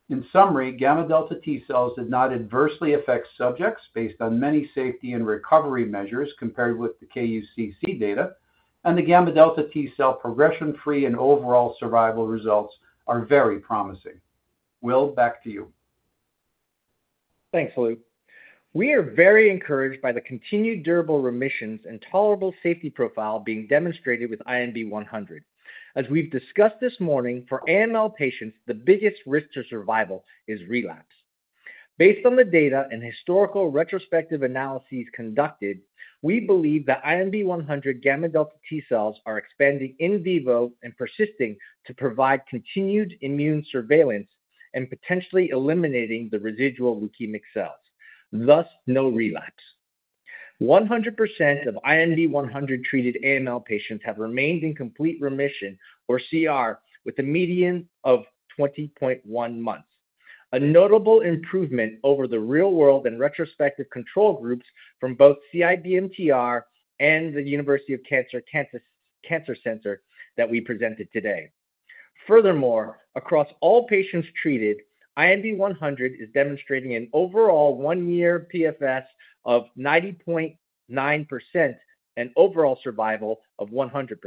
In summary, gamma delta T cells did not adversely affect subjects based on many safety and recovery measures compared with the KUCC data, and the gamma delta T cell progression-free and overall survival results are very promising. Will, back to you. Thanks, Lou. We are very encouraged by the continued durable remissions and tolerable safety profile being demonstrated with INB-100. As we've discussed this morning, for AML patients, the biggest risk to survival is relapse. Based on the data and historical retrospective analyses conducted, we believe that INB-100 gamma-delta T cells are expanding in vivo and persisting to provide continued immune surveillance and potentially eliminating the residual leukemic cells. Thus, no relapse. 100% of INB-100 treated AML patients have remained in complete remission or CR with a median of 20.1 months. A notable improvement over the real-world and retrospective control groups from both CIBMTR and the University of Kansas Cancer Center that we presented today. Furthermore, across all patients treated, INB-100 is demonstrating an overall one-year PFS of 90.9% and overall survival of 100%.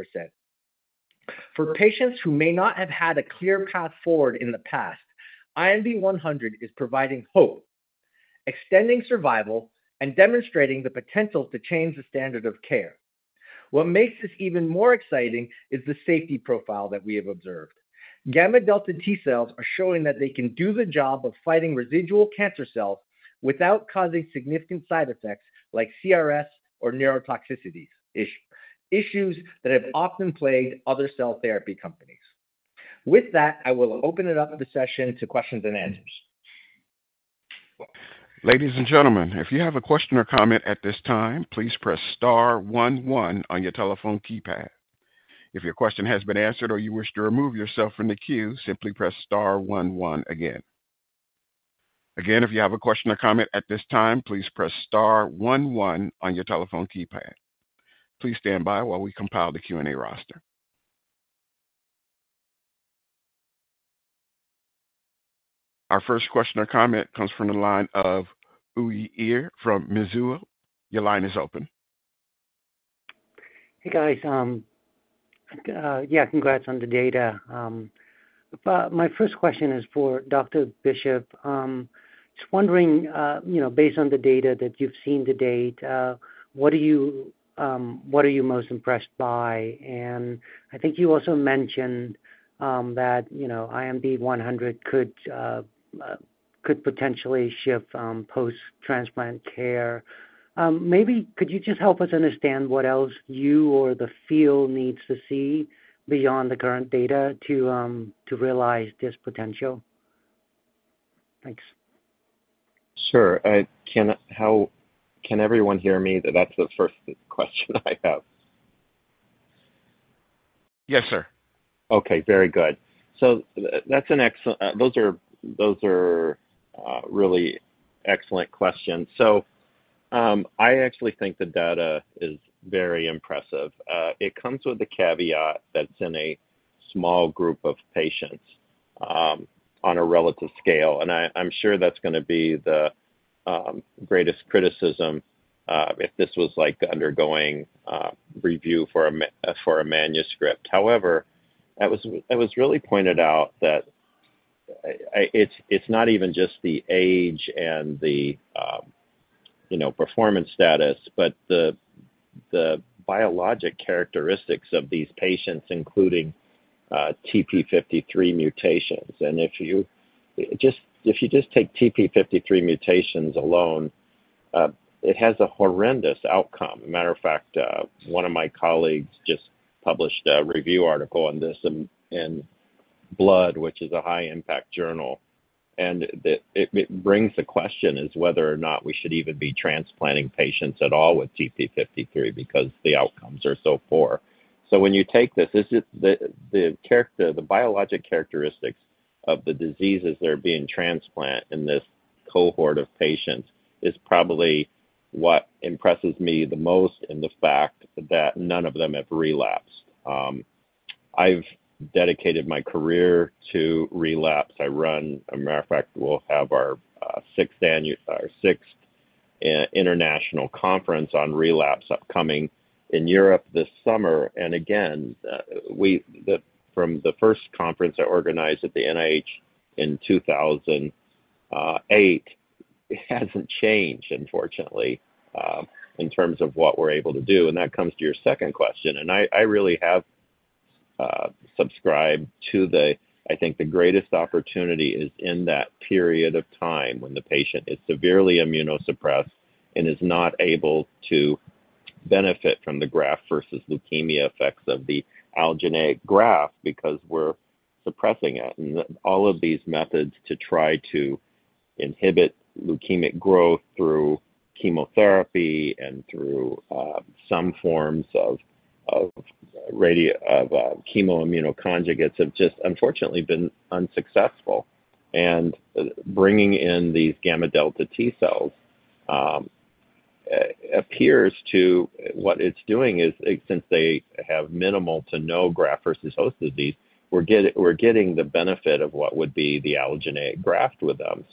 For patients who may not have had a clear path forward in the past, INB-100 is providing hope, extending survival, and demonstrating the potential to change the standard of care. What makes this even more exciting is the safety profile that we have observed. Gamma-delta T cells are showing that they can do the job of fighting residual cancer cells without causing significant side effects like CRS or neurotoxicity issues that have often plagued other cell therapy companies. With that, I will open up the session to questions and answers. Ladies and gentlemen, if you have a question or comment at this time, please press star one one on your telephone keypad. If your question has been answered or you wish to remove yourself from the queue, simply press star one one again. Again, if you have a question or comment at this time, please press star one one on your telephone keypad. Please stand by while we compile the Q&A roster. Our first question or comment comes from the line of Uy Ear from Mizuho. Your line is open. Hey, guys. Yeah, congrats on the data. My first question is for Dr. Bishop. Just wondering, you know, based on the data that you've seen to date, what are you most impressed by? I think you also mentioned that INB-100 could potentially shift post-transplant care. Maybe could you just help us understand what else you or the field needs to see beyond the current data to realize this potential? Thanks. Sure. Can everyone hear me? That's the first question I have. Yes, sir. Okay, very good. Those are really excellent questions. I actually think the data is very impressive. It comes with the caveat that it's in a small group of patients on a relative scale, and I'm sure that's going to be the greatest criticism if this was undergoing review for a manuscript. However, it was really pointed out that it's not even just the age and the performance status, but the biologic characteristics of these patients, including TP53 mutations. If you just take TP53 mutations alone, it has a horrendous outcome. As a matter of fact, one of my colleagues just published a review article on this in Blood, which is a high-impact journal, and it brings the question as to whether or not we should even be transplanting patients at all with TP53 because the outcomes are so poor. When you take this, the biologic characteristics of the diseases that are being transplanted in this cohort of patients is probably what impresses me the most in the fact that none of them have relapsed. I've dedicated my career to relapse. As a matter of fact, we'll have our sixth international conference on relapse upcoming in Europe this summer. Again, from the first conference I organized at the NIH in 2008, it hasn't changed, unfortunately, in terms of what we're able to do. That comes to your second question. I really have subscribed to the, I think, the greatest opportunity is in that period of time when the patient is severely immunosuppressed and is not able to benefit from the graft versus leukemia effects of the allogeneic graft because we're suppressing it. All of these methods to try to inhibit leukemic growth through chemotherapy and through some forms of chemoimmunoconjugates have just unfortunately been unsuccessful. Bringing in these gamma-delta T cells appears to—what it's doing is, since they have minimal to no graft versus host disease, we're getting the benefit of what would be the allogeneic graft with them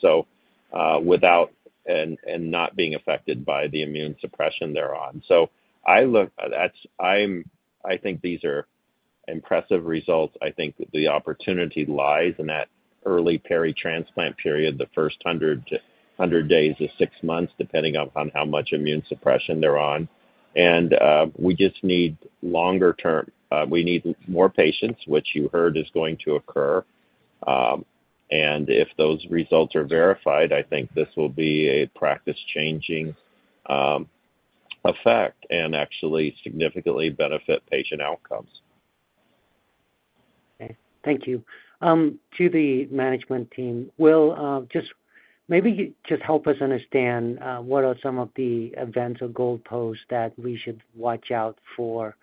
and not being affected by the immune suppression thereon. I think these are impressive results. I think the opportunity lies in that early peritransplant period, the first 100 days to 6 months, depending upon how much immune suppression they're on. We just need longer term; we need more patients, which you heard is going to occur. If those results are verified, I think this will be a practice-changing effect and actually significantly benefit patient outcomes. Okay. Thank you. To the management team, Will, maybe just help us understand what are some of the events or goalposts that we should watch out for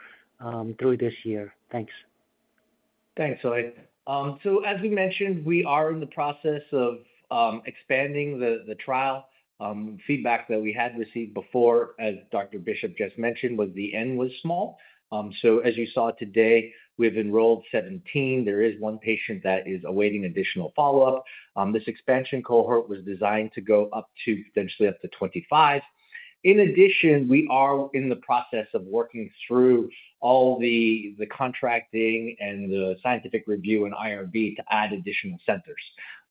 through this year. Thanks. Thanks, Eli. As we mentioned, we are in the process of expanding the trial. Feedback that we had received before, as Dr. Bishop just mentioned, was the N was small. As you saw today, we have enrolled 17. There is one patient that is awaiting additional follow-up. This expansion cohort was designed to go up to potentially up to 25. In addition, we are in the process of working through all the contracting and the scientific review and IRB to add additional centers.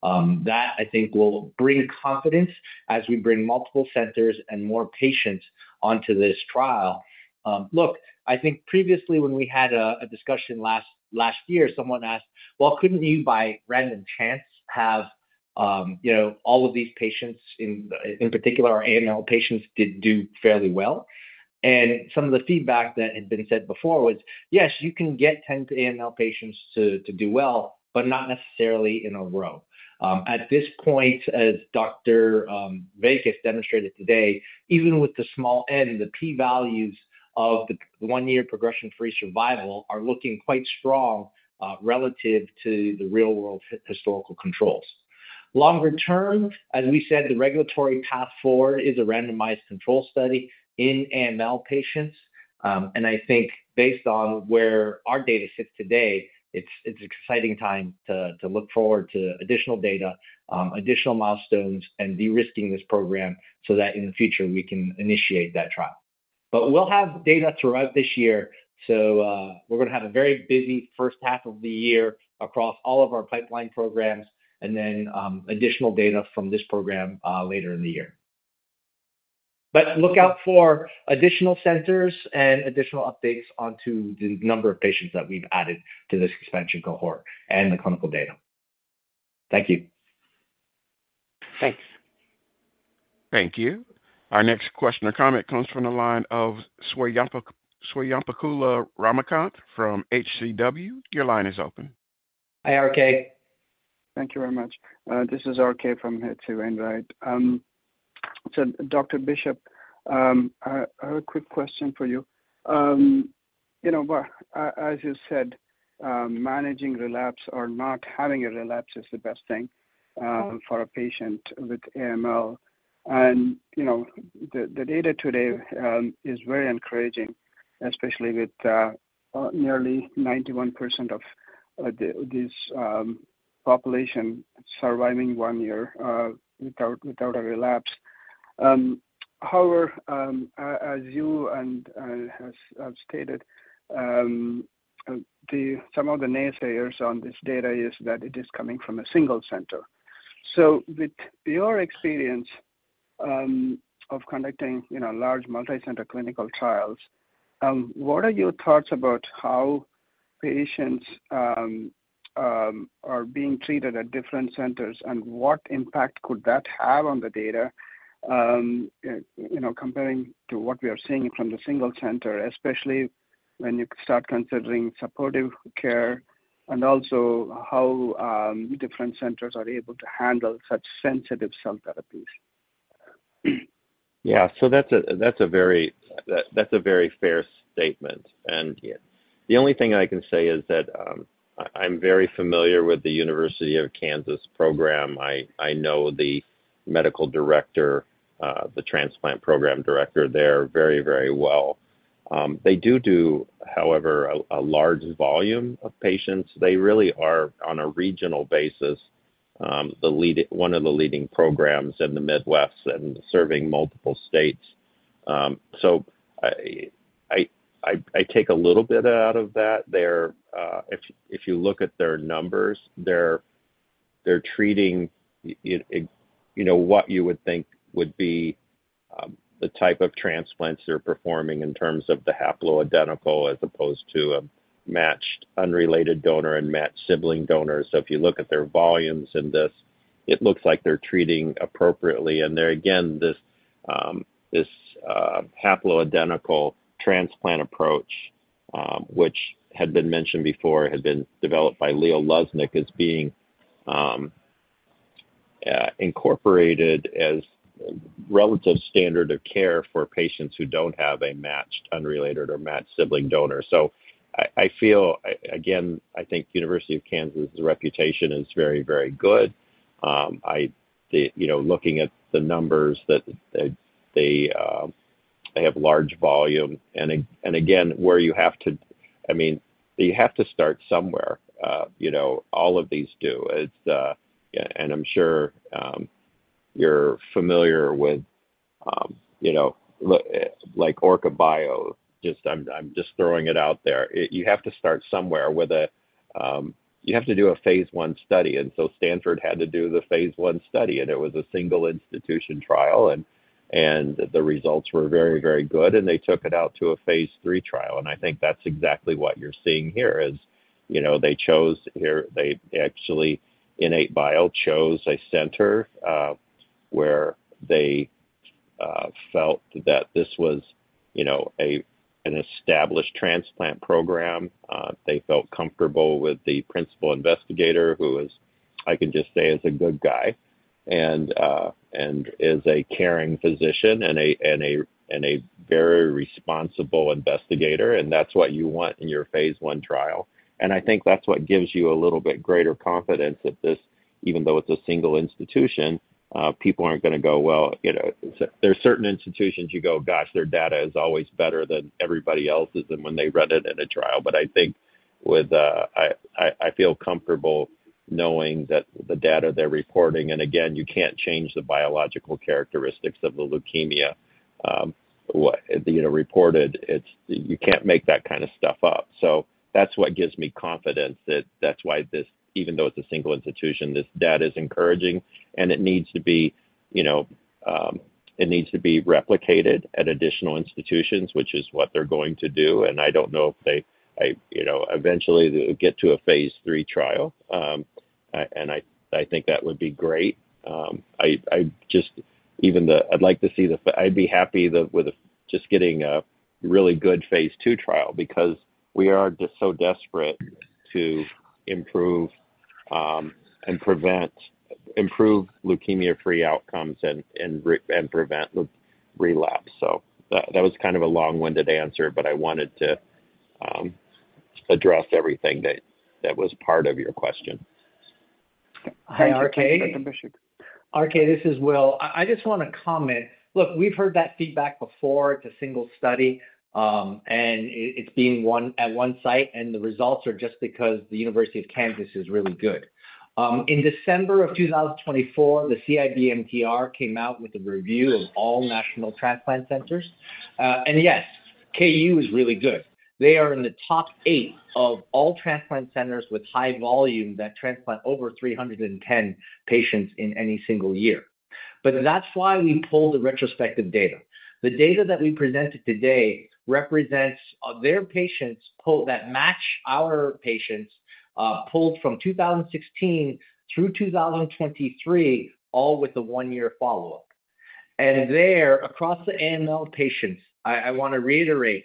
That, I think, will bring confidence as we bring multiple centers and more patients onto this trial. Look, I think previously when we had a discussion last year, someone asked, "Well, couldn't you by random chance have all of these patients, in particular our AML patients, do fairly well?" And some of the feedback that had been said before was, "Yes, you can get 10 AML patients to do well, but not necessarily in a row." At this point, as Dr. Vaickus demonstrated today, even with the small N, the p-values of the one-year progression-free survival are looking quite strong relative to the real-world historical controls. Longer term, as we said, the regulatory path forward is a randomized control study in AML patients. I think based on where our data sits today, it's an exciting time to look forward to additional data, additional milestones, and de-risking this program so that in the future we can initiate that trial. We will have data throughout this year. We are going to have a very busy first half of the year across all of our pipeline programs, and then additional data from this program later in the year. Look out for additional centers and additional updates onto the number of patients that we've added to this expansion cohort and the clinical data. Thank you. Thanks. Thank you. Our next question or comment comes from the line of Swayampakula Ramakanth from HCW. Your line is open. Hi, RK. Thank you very much. This is RK from H.C. Wainwright. Dr. Bishop, I have a quick question for you. As you said, managing relapse or not having a relapse is the best thing for a patient with AML. The data today is very encouraging, especially with nearly 91% of this population surviving one year without a relapse. However, as you have stated, some of the naysayers on this data is that it is coming from a single center. With your experience of conducting large multicenter clinical trials, what are your thoughts about how patients are being treated at different centers and what impact could that have on the data comparing to what we are seeing from the single center, especially when you start considering supportive care and also how different centers are able to handle such sensitive cell therapies? Yeah. That is a very fair statement. The only thing I can say is that I'm very familiar with the University of Kansas program. I know the medical director, the transplant program director there very, very well. They do, however, a large volume of patients. They really are, on a regional basis, one of the leading programs in the Midwest and serving multiple states. I take a little bit out of that. If you look at their numbers, they're treating what you would think would be the type of transplants they're performing in terms of the haploidentical as opposed to a matched unrelated donor and matched sibling donor. If you look at their volumes in this, it looks like they're treating appropriately. Again, this haploidentical transplant approach, which had been mentioned before, had been developed by Dr. Leo Luznik as being incorporated as a relative standard of care for patients who do not have a matched unrelated or matched sibling donor. I feel, again, I think University of Kansas' reputation is very, very good. Looking at the numbers, they have large volume. You have to—I mean, you have to start somewhere. All of these do. I am sure you are familiar with, like, Orca Bio, just throwing it out there. You have to start somewhere with a—you have to do a phase one study. Stanford had to do the phase one study, and it was a single institution trial. The results were very, very good, and they took it out to a phase three trial. I think that's exactly what you're seeing here is they chose—they actually, IN8bio chose a center where they felt that this was an established transplant program. They felt comfortable with the principal investigator, who I can just say is a good guy and is a caring physician and a very responsible investigator. That's what you want in your phase one trial. I think that's what gives you a little bit greater confidence that this, even though it's a single institution, people aren't going to go, "Well." There are certain institutions you go, "Gosh, their data is always better than everybody else's," and when they run it in a trial. I think with—I feel comfortable knowing that the data they're reporting—and again, you can't change the biological characteristics of the leukemia reported. You can't make that kind of stuff up. That is what gives me confidence that is why this, even though it is a single institution, this data is encouraging. It needs to be replicated at additional institutions, which is what they are going to do. I do not know if they eventually get to a phase three trial. I think that would be great. I just—even the—I would like to see the—I would be happy with just getting a really good phase two trial because we are just so desperate to improve and prevent—improve leukemia-free outcomes and prevent relapse. That was kind of a long-winded answer, but I wanted to address everything that was part of your question. Hi, RK. Dr. Bishop. RK, this is Will. I just want to comment. Look, we've heard that feedback before; it's a single study, and it's being run at one site, and the results are just because the University of Kansas is really good. In December of 2024, the CIBMTR came out with a review of all national transplant centers. Yes, KU is really good. They are in the top eight of all transplant centers with high volume that transplant over 310 patients in any single year. That is why we pulled the retrospective data. The data that we presented today represents their patients that match our patients pulled from 2016 through 2023, all with a one-year follow-up. There, across the AML patients, I want to reiterate,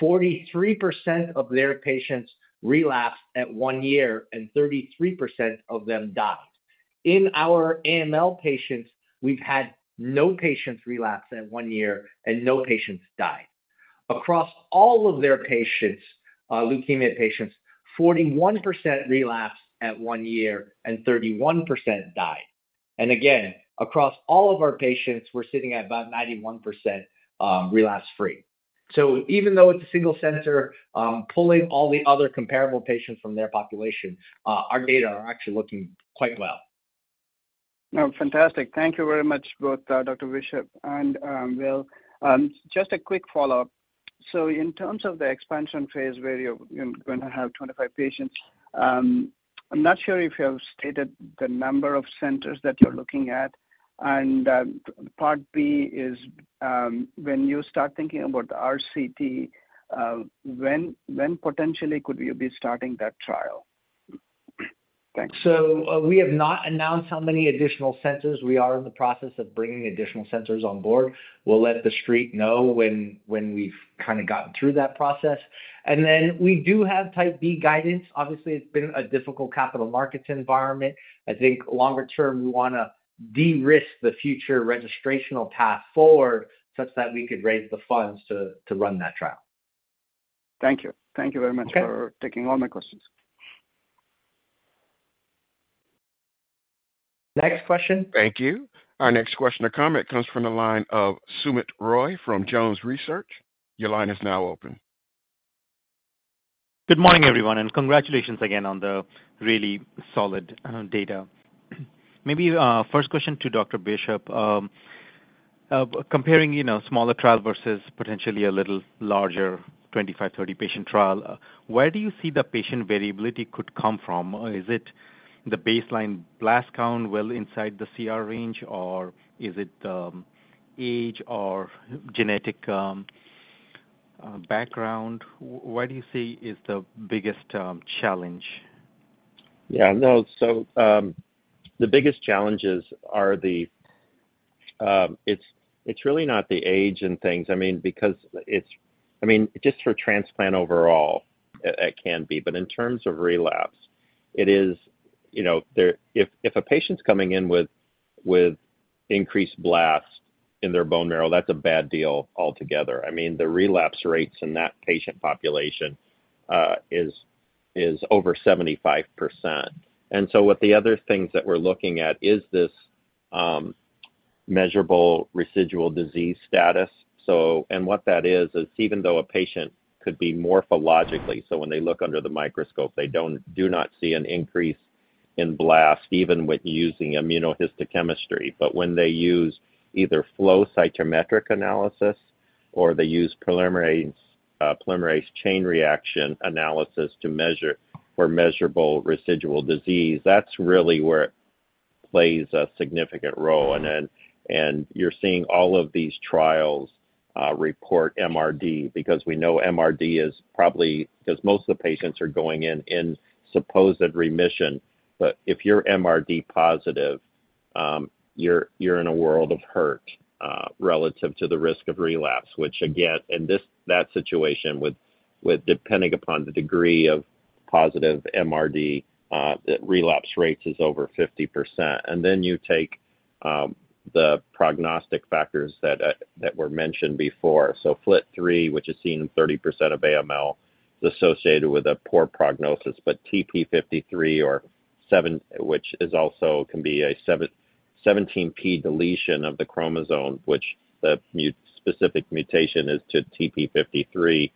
43% of their patients relapsed at one year, and 33% of them died. In our AML patients, we've had no patients relapse at one year and no patients die. Across all of their patients, leukemia patients, 41% relapsed at one year and 31% died. Again, across all of our patients, we're sitting at about 91% relapse-free. Even though it's a single center, pulling all the other comparable patients from their population, our data are actually looking quite well. No, fantastic. Thank you very much, both Dr. Bishop and Will. Just a quick follow-up. In terms of the expansion phase where you're going to have 25 patients, I'm not sure if you have stated the number of centers that you're looking at. Part B is when you start thinking about the RCT, when potentially could you be starting that trial? Thanks. We have not announced how many additional centers. We are in the process of bringing additional centers on board. We'll let the street know when we've kind of gotten through that process. We do have type B guidance. Obviously, it's been a difficult capital markets environment. I think longer term, we want to de-risk the future registrational path forward such that we could raise the funds to run that trial. Thank you. Thank you very much for taking all my questions. Next question. Thank you. Our next question or comment comes from the line of Soumit Roy from Jones Research. Your line is now open. Good morning, everyone, and congratulations again on the really solid data. Maybe first question to Dr. Bishop. Comparing smaller trial versus potentially a little larger 25-30 patient trial, where do you see the patient variability could come from? Is it the baseline blast count well inside the CR range, or is it the age or genetic background? What do you see is the biggest challenge? Yeah. No, the biggest challenges are the—it's really not the age and things. I mean, because it's—I mean, just for transplant overall, it can be. In terms of relapse, it is—if a patient's coming in with increased blast in their bone marrow, that's a bad deal altogether. I mean, the relapse rates in that patient population is over 75%. What the other things that we're looking at is this measurable residual disease status. What that is, is even though a patient could be morphologically—so when they look under the microscope, they do not see an increase in blast even with using immunohistochemistry. When they use either flow cytometric analysis or they use polymerase chain reaction analysis to measure for measurable residual disease, that's really where it plays a significant role. You're seeing all of these trials report MRD because we know MRD is probably—because most of the patients are going in in supposed remission. If you're MRD positive, you're in a world of hurt relative to the risk of relapse, which, again, in that situation, depending upon the degree of positive MRD, relapse rates is over 50%. You take the prognostic factors that were mentioned before. FLT3, which is seen in 30% of AML, is associated with a poor prognosis. TP53, which also can be a 17p deletion of the chromosome, which the specific mutation is to TP53,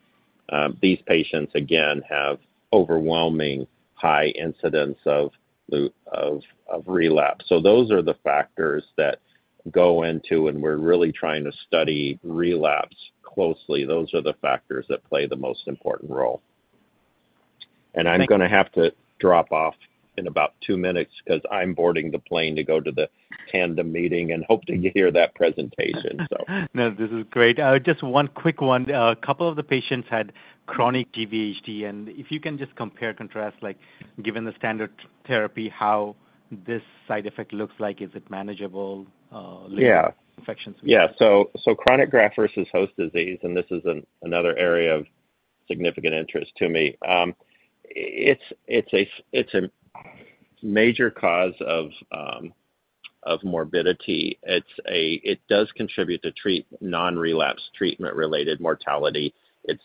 these patients, again, have overwhelming high incidence of relapse. Those are the factors that go into, and we're really trying to study relapse closely. Those are the factors that play the most important role. I'm going to have to drop off in about two minutes because I'm boarding the plane to go to the Tandem Meeting and hope to hear that presentation. No, this is great. Just one quick one. A couple of the patients had chronic GVHD. If you can just compare, contrast, given the standard therapy, how this side effect looks like, is it manageable? Yeah. Infections? Yeah. Chronic graft versus host disease, and this is another area of significant interest to me. It's a major cause of morbidity. It does contribute to non-relapse treatment-related mortality. It's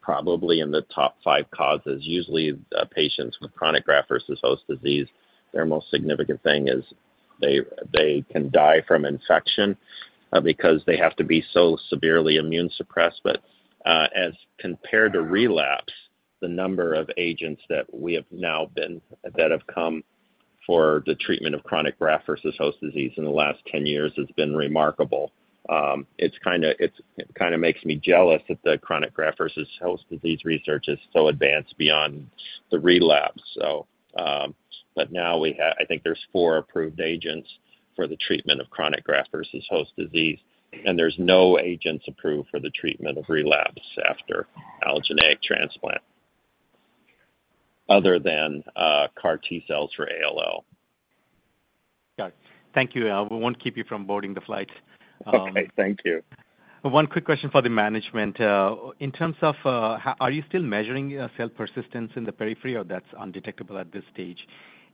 probably in the top five causes. Usually, patients with chronic graft versus host disease, their most significant thing is they can die from infection because they have to be so severely immune suppressed. As compared to relapse, the number of agents that we have now that have come for the treatment of chronic graft versus host disease in the last 10 years has been remarkable. It kind of makes me jealous that the chronic graft versus host disease research is so advanced beyond the relapse. Now we have—I think there's four approved agents for the treatment of chronic graft versus host disease. There are no agents approved for the treatment of relapse after allogeneic transplant other than CAR T cells for ALL. Got it. Thank you. We won't keep you from boarding the flight. Okay. Thank you. One quick question for the management. In terms of, are you still measuring cell persistence in the periphery, or that's undetectable at this stage?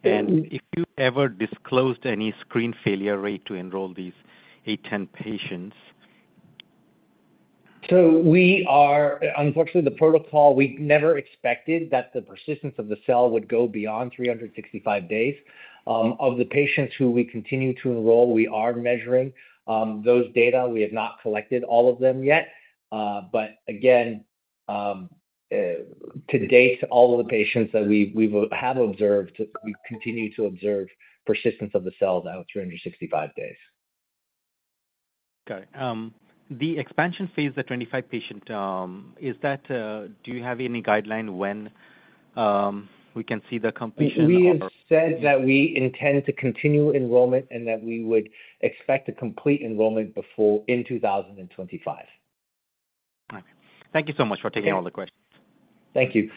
And have you ever disclosed any screen failure rate to enroll these 8, 10 patients? We are, unfortunately, the protocol, we never expected that the persistence of the cell would go beyond 365 days. Of the patients who we continue to enroll, we are measuring those data. We have not collected all of them yet. Again, to date, all of the patients that we have observed, we continue to observe persistence of the cell now at 365 days. Got it. The expansion phase, the 25-patient, do you have any guideline when we can see the completion? We have said that we intend to continue enrollment and that we would expect a complete enrollment in 2025. All right. Thank you so much for taking all the questions. Thank you.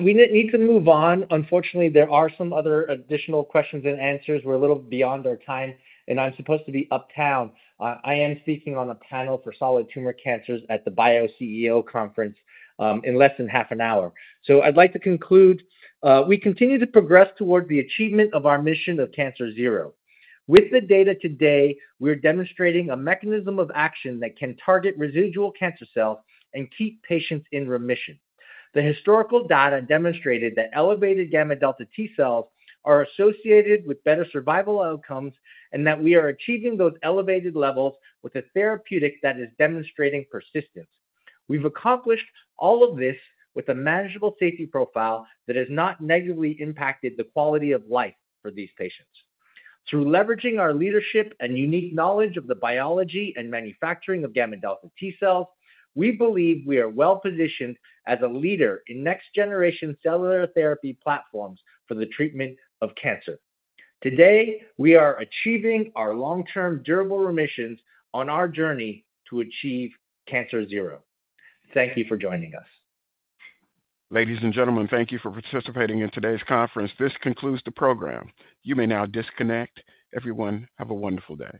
We need to move on. Unfortunately, there are some other additional questions and answers. We're a little beyond our time. I'm supposed to be uptown. I am speaking on a panel for solid tumor cancers at the BIO CEO conference in less than half an hour. I would like to conclude. We continue to progress toward the achievement of our mission of cancer zero. With the data today, we are demonstrating a mechanism of action that can target residual cancer cells and keep patients in remission. The historical data demonstrated that elevated gamma-delta T cells are associated with better survival outcomes and that we are achieving those elevated levels with a therapeutic that is demonstrating persistence. We have accomplished all of this with a manageable safety profile that has not negatively impacted the quality of life for these patients. Through leveraging our leadership and unique knowledge of the biology and manufacturing of gamma-delta T cells, we believe we are well-positioned as a leader in next-generation cellular therapy platforms for the treatment of cancer. Today, we are achieving our long-term durable remissions on our journey to achieve Cancer Zero. Thank you for joining us. Ladies and gentlemen, thank you for participating in today's conference. This concludes the program. You may now disconnect. Everyone, have a wonderful day.